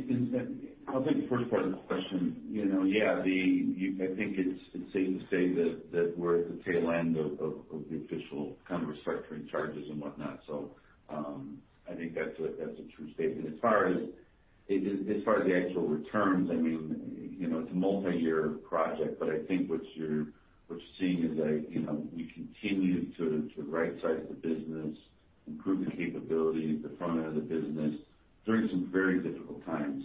take the first part of the question. I think it's safe to say that we're at the tail end of the official restructuring charges and whatnot. I think that's a true statement. As far as the actual returns, I mean, you know, it's a multi-year project, but I think what you're seeing is we continue to right size the business, improve the capability at the front end of the business during some very difficult times.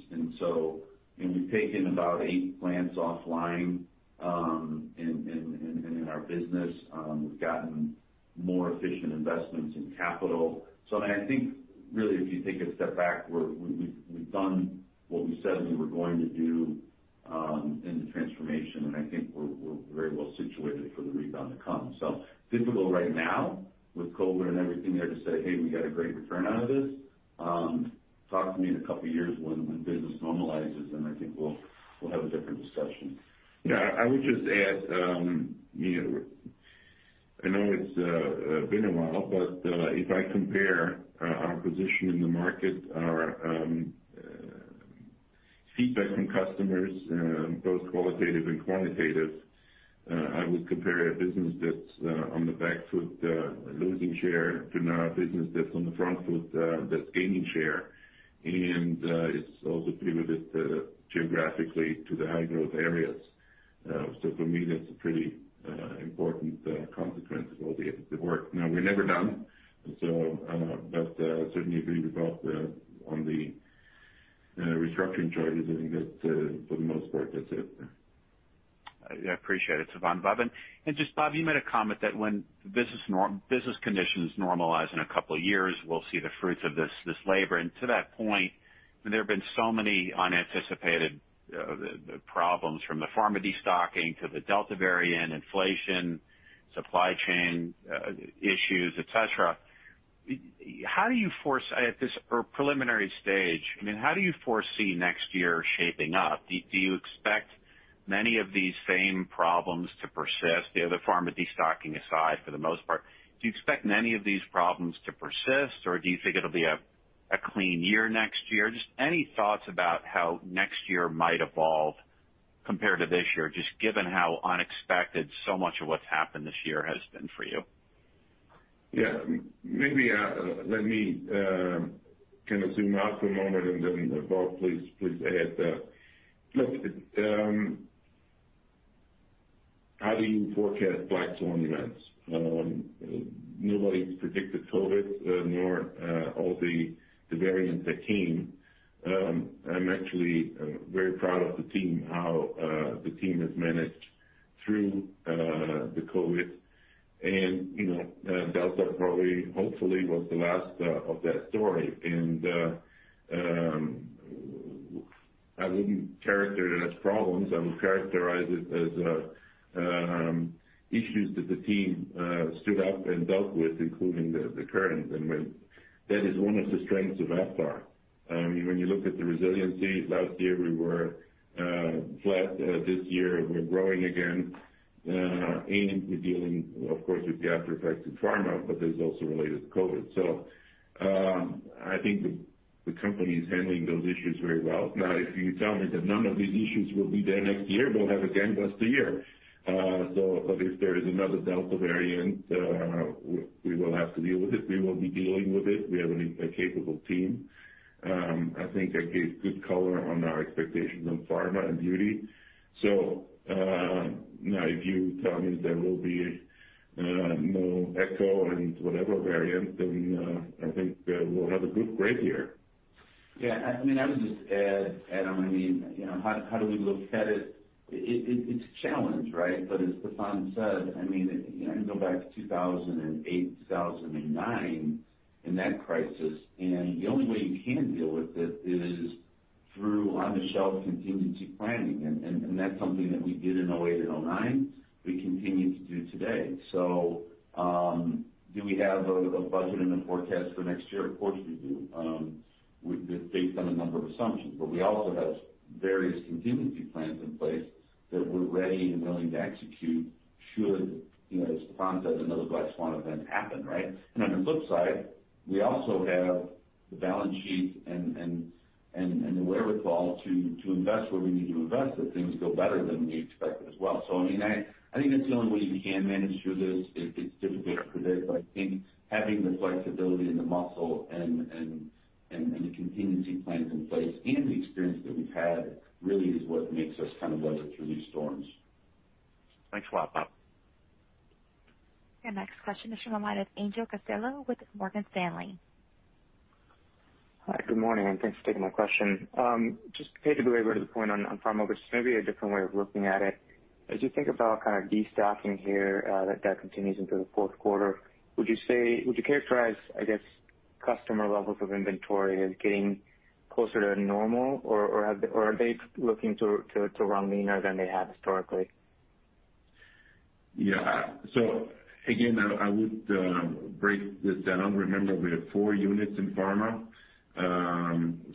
We've taken about eight plants offline in our business. We've gotten more efficient investments in capital. I think really if you take a step back, we've done what we said we were going to do in the transformation. I think we're very well situated for the rebound to come. It's difficult right now with COVID and everything there to say, "Hey, we got a great return out of this." Talk to me in a couple of years when business normalizes, and I think we'll have a different discussion.
Yeah, I would just add, you know, I know it's been a while, but if I compare our position in the market, our feedback from customers both qualitative and quantitative, I would compare a business that's on the back foot, losing share to now a business that's on the front foot, that's gaining share. It's also pivoted geographically to the high-growth areas. For me, that's a pretty important consequence of all the work. Now, we're never done, but certainly if you look up on the restructuring charges, I think that for the most part, that's it.
I appreciate it, Stephan, Bob. Just, Bob, you made a comment that when business conditions normalize in a couple of years, we'll see the fruits of this labor. To that point, there have been so many unanticipated problems from the pharma destocking to the Delta variant, inflation, supply chain issues, etc. How do you forecast at this early or preliminary stage, I mean, how do you foresee next year shaping up? Do you expect many of these same problems to persist, you know, the pharma destocking aside for the most part? Do you expect many of these problems to persist, or do you think it'll be a clean year next year? Just any thoughts about how next year might evolve compared to this year, just given how unexpected so much of what's happened this year has been for you.
Yeah. Maybe let me zoom out for a moment and then Bob, please add. Look, how do you forecast black swan events? Nobody predicted COVID, nor all the variants that came. I'm actually very proud of the team, how the team has managed through the COVID. You know, Delta probably, hopefully was the last of that story. I wouldn't characterize it as problems. I would characterize it as issues that the team stood up and dealt with, including the current and when. That is one of the strengths of Aptar. When you look at the resiliency, last year we were flat. This year we're growing again, and we're dealing, of course, with the after effects of pharma, but there's also related to COVID. I think the company is handling those issues very well. Now, if you tell me that none of these issues will be there next year, we'll have a gangbuster year. But if there is another Delta variant, we will have to deal with it. We will be dealing with it. We have a capable team. I think I gave good color on our expectations on pharma and beauty. Now, if you tell me there will be no Echo and whatever variant then, I think we'll have a great year.
I mean, I would just add, Adam, I mean, you know, how do we look at it? It's a challenge, right? As Stephan said, I mean, you know, I can go back to 2008, 2009 in that crisis, and the only way you can deal with it is through off-the-shelf contingency planning. That's something that we did in 2008 and 2009. We continue to do today. Do we have a budget and a forecast for next year? Of course, we do, with based on a number of assumptions. We also have various contingency plans in place that we're ready and willing to execute should, you know, as Stephan said, another black swan event happen, right. On the flip side, we also have the balance sheet and the wherewithal to invest where we need to invest if things go better than we expected as well. I mean, I think that's the only way you can manage through this. It's difficult to predict, but I think having the flexibility and the muscle and the contingency plans in place and the experience that we've had really is what makes us weather through these storms.
Thanks a lot, Bob.
Your next question is from the line of Angel Castillo with Morgan Stanley.
Hi, good morning, and thanks for taking my question. Just to kinda go a bit to the point on Pharma, just maybe a different way of looking at it. As you think about destocking here, that continues into the Q4, would you characterize, I guess, customer levels of inventory as getting closer to normal or are they looking to run leaner than they have historically?
Yeah. Again, I would break this down. Remember, we have four units in pharma,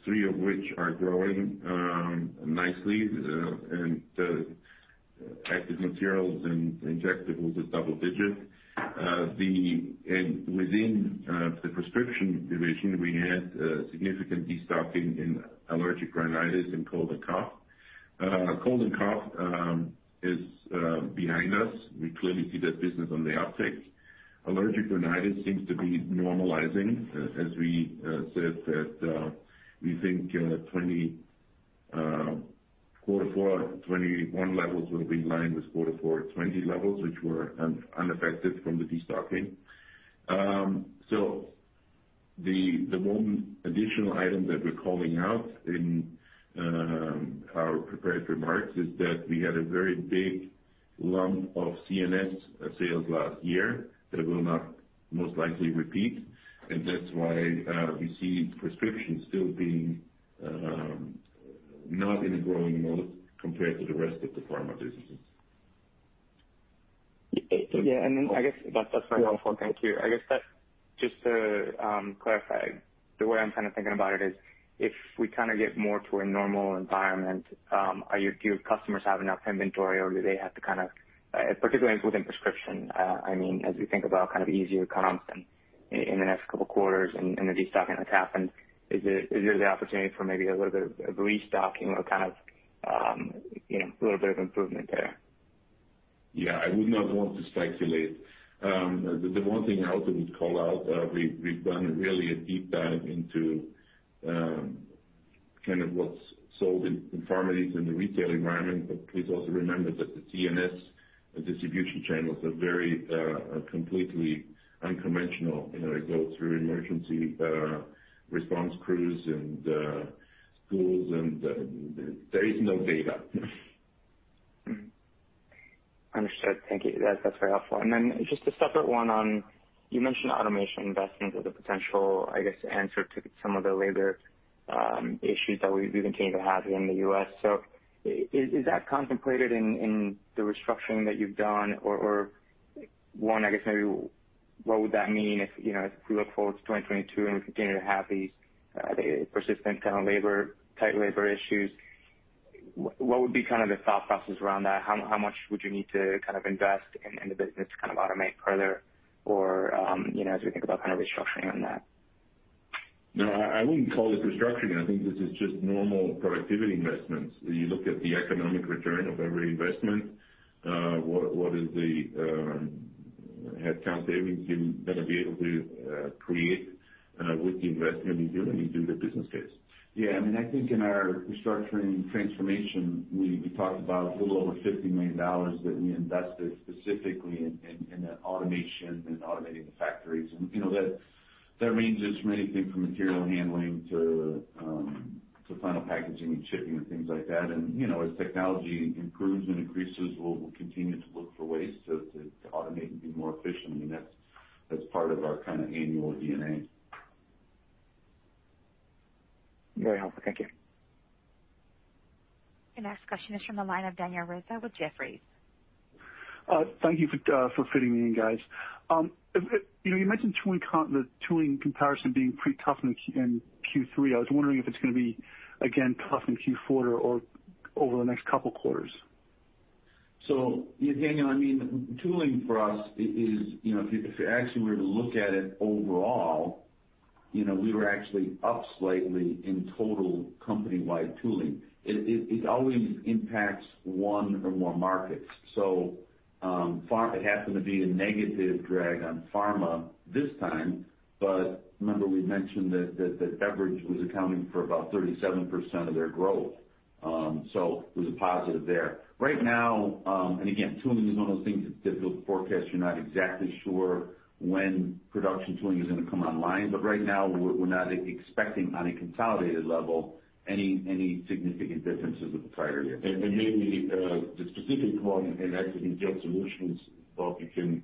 three of which are growing nicely, and active materials and injectables is double-digit. Within the prescription division, we had significant destocking in allergic rhinitis and cold and cough. Cold and cough is behind us. We clearly see that business on the uptick. Allergic rhinitis seems to be normalizing. As we said, we think quarter four 2021 levels will be in line with quarter four 2020 levels, which were unaffected from the destocking. The one additional item that we're calling out in our prepared remarks is that we had a very big lump of CNS sales last year that will not most likely repeat, and that's why we see prescriptions still being not in a growing mode compared to the rest of the pharma businesses.
Yeah. I guess that's very helpful. Thank you. I guess that's just to clarify, the way I'm thinking about it is if we get more to a normal environment, do your customers have enough inventory or do they have to particularly within prescription, I mean, as we think about easier comps and in the next couple of quarters and the destocking that's happened, is there the opportunity for maybe a little bit of restocking or you know, a little bit of improvement there?
Yeah, I would not want to speculate. The one thing I also would call out, we've done really a deep dive into what's sold in pharmacies in the retail environment. Please also remember that the CNS distribution channels are completely unconventional. You know, they go through emergency response crews and schools, and there is no data.
Understood. Thank you. That, that's very helpful. Then just a separate one on, you mentioned automation investments as a potential, I guess, answer to some of the labor issues that we continue to have here in the U.S. Is that contemplated in the restructuring that you've done? Or one, I guess maybe what would that mean if, you know, as we look forward to 2022 and we continue to have these persistent labor, tight labor issues, what would be the thought process around that? How much would you need to invest in the business to automate further or, you know, as we think about restructuring on that?
No, I wouldn't call it restructuring. I think this is just normal productivity investments. You look at the economic return of every investment, what is the headcount savings you gonna be able to create with the investment you're doing. You do the business case.
Yeah. I mean, I think in our restructuring transformation, we talked about a little over $50 million that we invested specifically in the automation and automating the factories. You know, that means it's many things from material handling to final packaging and shipping and things like that. You know, as technology improves and increases, we'll continue to look for ways to automate and be more efficient. I mean, that's part of our annual DNA.
Very helpful. Thank you.
The next question is from the line of Daniel Rizzo with Jefferies.
Thank you for fitting me in, guys. You know, you mentioned the tooling comparison being pretty tough in Q3. I was wondering if it's gonna be again tough in Q4 or over the next couple quarters.
Yeah, Daniel, I mean, tooling for us is, you know, if you actually were to look at it overall, you know, we were actually up slightly in total company-wide tooling. It always impacts one or more markets. It happened to be a negative drag on Pharma this time. Remember we mentioned that Beverage was accounting for about 37% of their growth. It was a positive there. Right now, again, tooling is one of those things that's difficult to forecast. You're not exactly sure when production tooling is gonna come online. Right now we're not expecting on a consolidated level any significant differences with the prior year.
Maybe the specific one in active material solutions, Bob, you can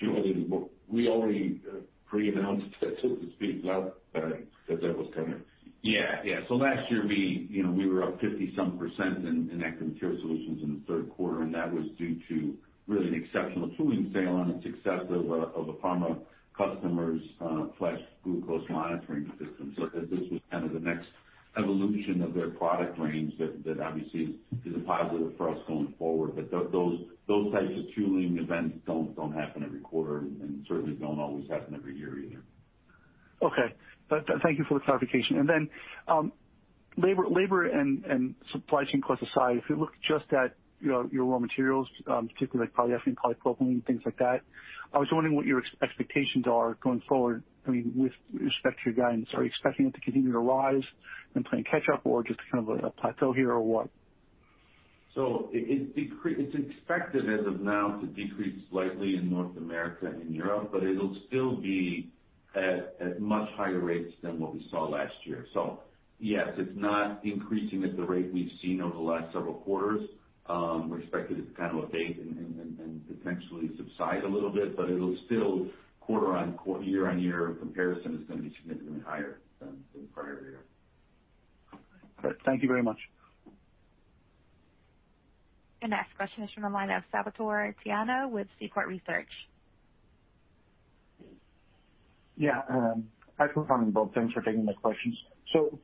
share a little more. We already pre-announced that to a degree last time that was coming.
Last year we were up 50-some% in Active Material Solutions in the Q3, and that was due to really an exceptional tooling sale on the success of a Pharma customer's Flash Glucose Monitoring system. This was the next evolution of their product range that obviously is a positive for us going forward. Those types of tooling events don't happen every quarter and certainly don't always happen every year either.
Okay. Thank you for the clarification. Labor and supply chain costs aside, if you look just at your raw materials, particularly like polyethylene, polypropylene, things like that, I was wondering what your expectations are going forward, I mean, with respect to your guidance. Are you expecting it to continue to rise and playing catch up or just a plateau here or what?
It's expected as of now to decrease slightly in North America and in Europe, but it'll still be at much higher rates than what we saw last year. Yes, it's not increasing at the rate we've seen over the last several quarters. We expect it to abate and potentially subside a little bit, but it'll still year-on-year comparison is gonna be significantly higher than the prior year.
Great. Thank you very much.
Next question is from the line of Salvatore Tiano with Seaport Research.
Hi, good morning, Bob. Thanks for taking my questions.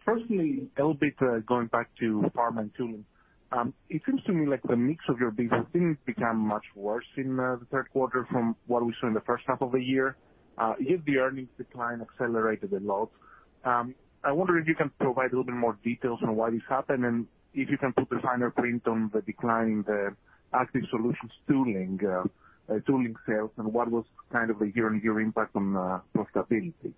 Firstly, a little bit going back to Pharma and tooling. It seems to me like the mix of your business didn't become much worse in the Q3 from what we saw in the first half of the year. Yet the earnings decline accelerated a lot. I wonder if you can provide a little bit more details on why this happened, and if you can put the fine print on the decline in the Active Solutions tooling sales, and what was a year-on-year impact on profitability.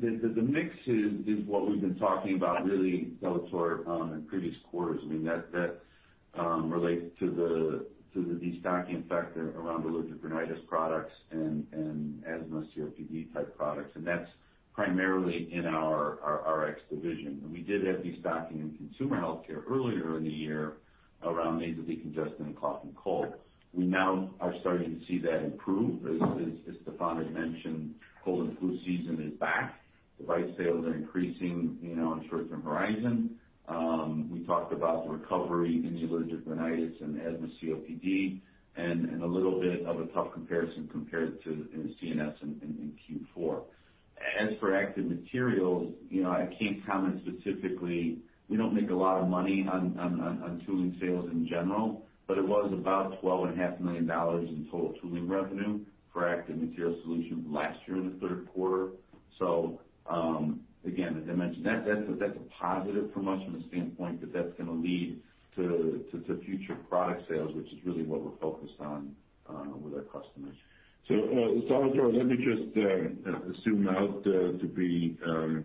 The mix is what we've been talking about really, Salvatore, in previous quarters. I mean, that relates to the destocking factor around allergic rhinitis products and asthma COPD-type products. That's primarily in our Rx division. We did have destocking in Consumer Healthcare earlier in the year around nasal decongestant and cough and cold. We now are starting to see that improve. As Stephan mentioned, cold and flu season is back. Device sales are increasing, you know, in short-term horizon. We talked about the recovery in the allergic rhinitis and asthma COPD and a little bit of a tough comparison compared to in CNS in Q4. As for Active Materials, you know, I can't comment specifically. We don't make a lot of money on tooling sales in general, but it was about $12.5 million in total tooling revenue for Active Material Solutions last year in the Q3. Again, as I mentioned, that's a positive for us from the standpoint that that's gonna lead to future product sales, which is really what we're focused on with our customers.
Salvatore, let me just zoom out to be hopefully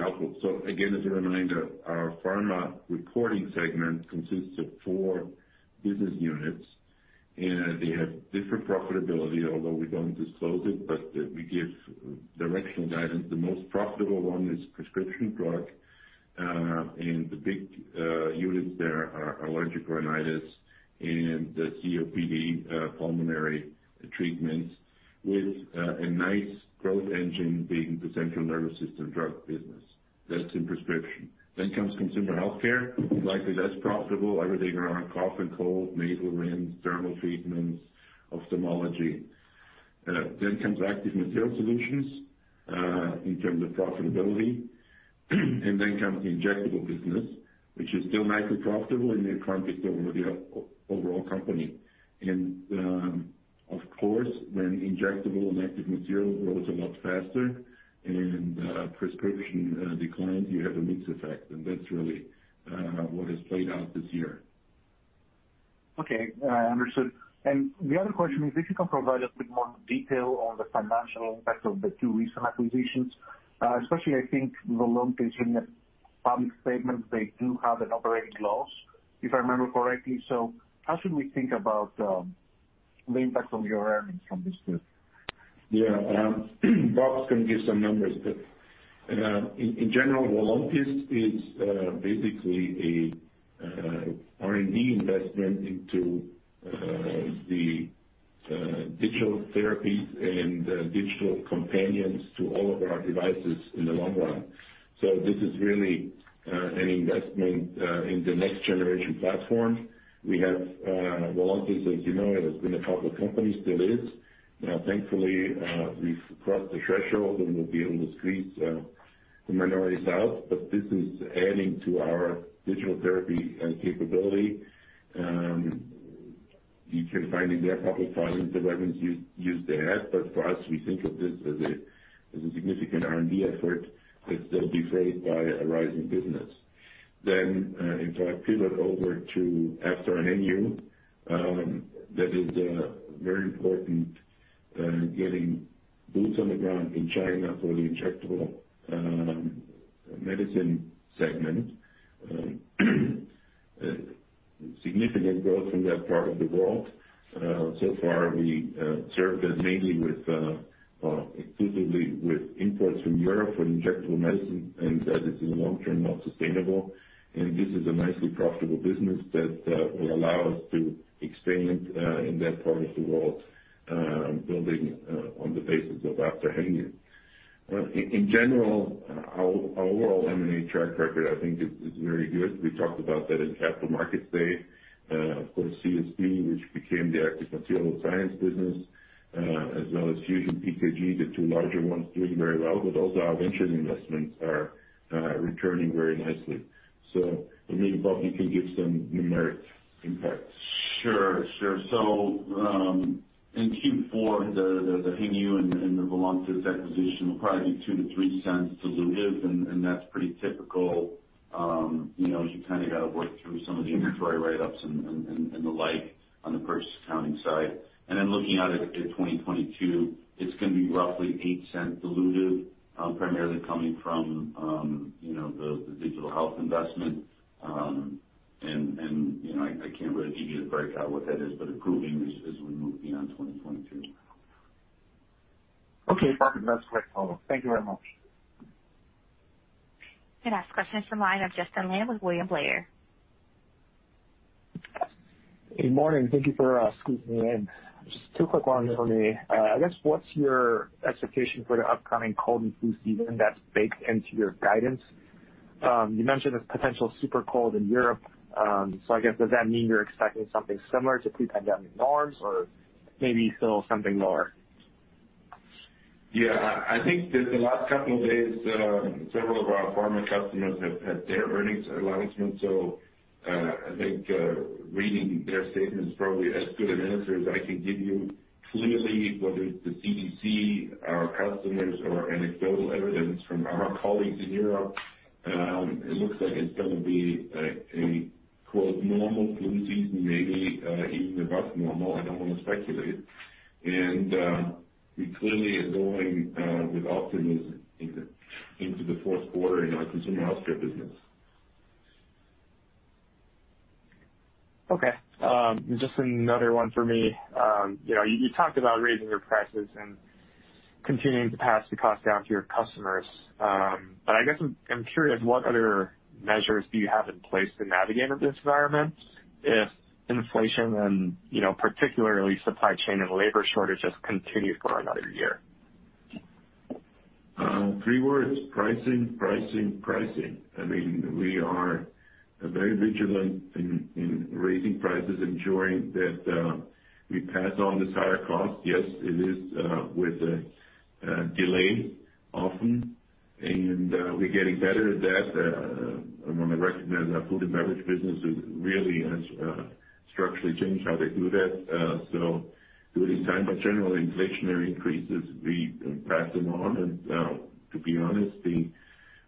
helpful. Again, as a reminder, our Pharma reporting segment consists of four business units, and they have different profitability, although we don't disclose it, but we give directional guidance. The most profitable one is prescription drug and the big units there are allergic rhinitis and the COPD pulmonary treatments with a nice growth engine being the central nervous system drug business. That's in prescription. Consumer healthcare, slightly less profitable, everything around cough and cold, nasal rinse, dermal treatments, ophthalmology. Active Material Solutions in terms of profitability. The injectable business, which is still nicely profitable in the context of the overall company. Of course, when injectable and Active Materials grows a lot faster and prescription declines, you have a mix effect, and that's really what has played out this year.
Okay. Understood. The other question is if you can provide a bit more detail on the financial impact of the two recent acquisitions, especially I think Voluntis, in a public statement, they do have an operating loss, if I remember correctly. How should we think about the impact on your earnings from this deal?
Bob's gonna give some numbers, but in general, Voluntis is basically a R&D investment into the digital therapies and digital companions to all of our devices in the long run. This is really an investment in the next generation platform. We have Voluntis, as you know, it has been a public company, still is. Thankfully, we've crossed the threshold, and we'll be able to squeeze the minorities out, but this is adding to our digital therapy capability. You can find in their public filings the revenues used there. For us, we think of this as a significant R&D effort that's then defrayed by a rising business. If I pivot over to Weihai Hengyu, that is very important, getting boots on the ground in China for the injectable medicine segment. Significant growth from that part of the world. So far we served there mainly, exclusively with imports from Europe for injectable medicine, and that is, in the long term, not sustainable. This is a nicely profitable business that will allow us to expand in that part of the world, building on the basis of Weihai Hengyu. In general, our overall M&A track record, I think is very good. We talked about that in Capital Markets Day. Of course, CSP, which became the Active Material Science business, as well as FusionPKG, the two larger ones doing very well, but also our venture investments are returning very nicely. I mean, Bob, you can give some numeric impact.
In Q4, the Hengyu and the Voluntis acquisition will probably be $0.02-$0.03 dilutive, and that's pretty typical. You know, you got to work through some of the inventory write-ups and the like on the purchase accounting side. Looking out at 2022, it's gonna be roughly $0.08 dilutive, primarily coming from, you know, the digital health investment. You know, I can't really give you the breakout what that is, but improving as we move beyond 2022.
Okay. Perfect. That's great. Thank you very much.
The next question is from the line of Justin Lam with William Blair.
Good morning. Thank you for squeezing me in. Just two quick ones for me. I guess, what's your expectation for the upcoming cold and flu season that's baked into your guidance? You mentioned this potential super cold in Europe. So I guess, does that mean you're expecting something similar to pre-pandemic norms or maybe still something lower?
Yeah, I think that the last couple of days, several of our pharma customers have had their earnings announcement, so, I think, reading their statement is probably as good an answer as I can give you. Clearly, whether it's the CDC, our customers or anecdotal evidence from our colleagues in Europe, it looks like it's gonna be a quote, "normal flu season," maybe, even above normal. I don't wanna speculate. We clearly are going with optimism into the Q4 in our consumer healthcare business.
Okay. Just another one for me. You know, you talked about raising your prices and continuing to pass the cost down to your customers. I guess I'm curious what other measures do you have in place to navigate this environment if inflation and, you know, particularly supply chain and labor shortages continue for another year?
Three words: pricing, pricing. I mean, we are very vigilant in raising prices, ensuring that we pass on this higher cost. Yes, it is with a delay often, and we're getting better at that. I wanna recognize our food and beverage business really has structurally changed how they do that, so doing it in time, but generally inflationary increases, we pass them on. To be honest,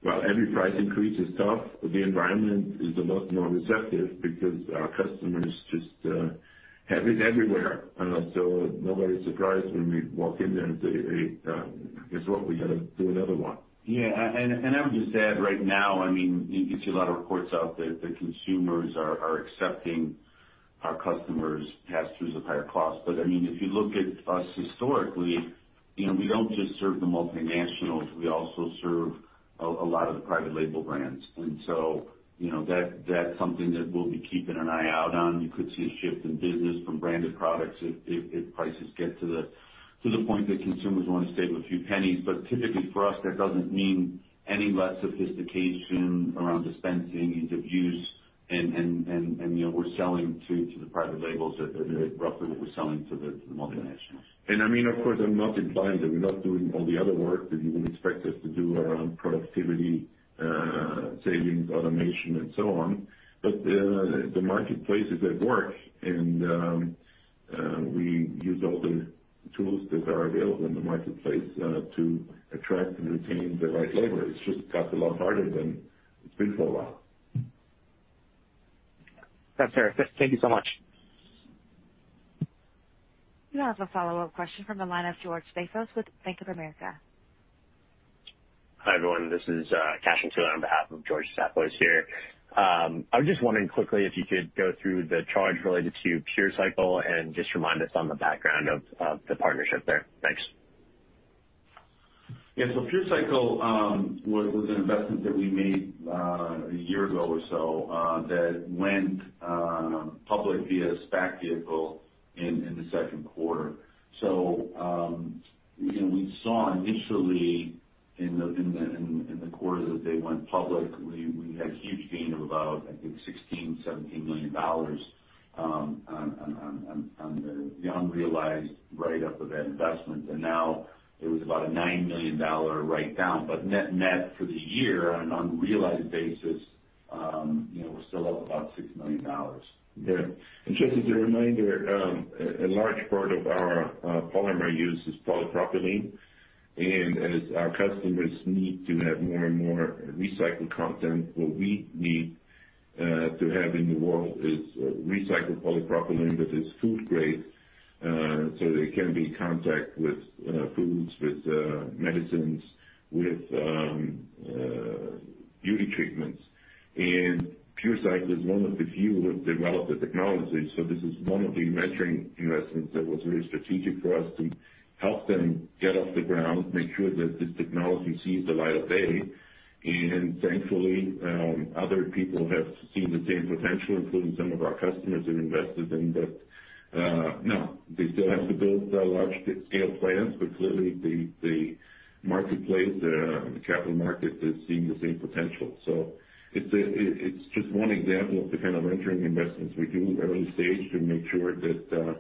while every price increase is tough, the environment is a lot more receptive because our customers just have it everywhere, so nobody's surprised when we walk in there and say, "Hey, guess what? We gotta do another one.
I would just add right now, I mean, you see a lot of reports out there that consumers are accepting our customers' pass-throughs of higher costs. I mean, if you look at us historically, you know, we don't just serve the multinationals, we also serve a lot of the private label brands. You know, that's something that we'll be keeping an eye out on. You could see a shift in business from branded products if prices get to the point that consumers wanna save a few pennies. Typically for us, that doesn't mean any less sophistication around dispensing, ease of use, and you know, we're selling to the private labels at roughly what we're selling to the multinationals.
I mean, of course, I'm not implying that we're not doing all the other work that you would expect us to do around productivity, savings, automation, and so on. The marketplace is at work, and we use all the tools that are available in the marketplace to attract and retain the right labor. It's just got a lot harder than it's been for a while.
That's fair. Thank you so much.
You have a follow-up question from the line of George Staphos with Bank of America.
Hi, everyone. This is Kashin Toohin on behalf of George Staphos here. I was just wondering quickly if you could go through the charge related to PureCycle and just remind us on the background of the partnership there. Thanks.
Yeah. PureCycle was an investment that we made a year ago or so that went public via a SPAC vehicle in the Q2. You know, we saw initially in the quarter that they went public. We had a huge gain of about, I think, $16-$17 million on the unrealized write-up of that investment. Now it was about a $9 million write down. Net for the year on an unrealized basis, you know, we're still up about $6 million.
Yeah. Just as a reminder, a large part of our polymer use is polypropylene. As our customers need to have more and more recycled content, what we need to have in the world is recycled polypropylene that is food grade, so they can be in contact with foods, with medicines, with beauty treatments. PureCycle is one of the few who have developed the technology, so this is one of the venture investments that was really strategic for us to help them get off the ground, make sure that this technology sees the light of day. Thankfully, other people have seen the same potential, including some of our customers who invested in that. Now, they still have to build the large-scale plants, but clearly the marketplace, the capital markets is seeing the same potential. It's just one example of the venturing investments we do early-stage to make sure that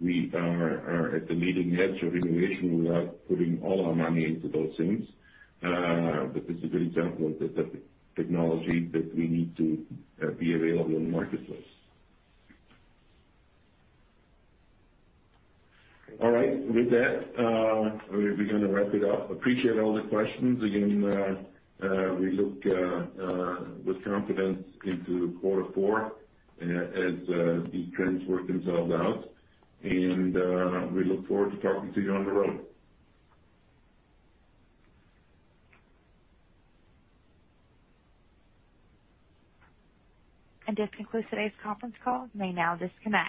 we are at the leading edge of innovation without putting all our money into those things. But this is a good example of the type of technology that we need to be available in the marketplace. All right. With that, we're gonna wrap it up. Appreciate all the questions. Again, we look with confidence into quarter four as these trends work themselves out. We look forward to talking to you on the road.
This concludes today's conference call. You may now disconnect.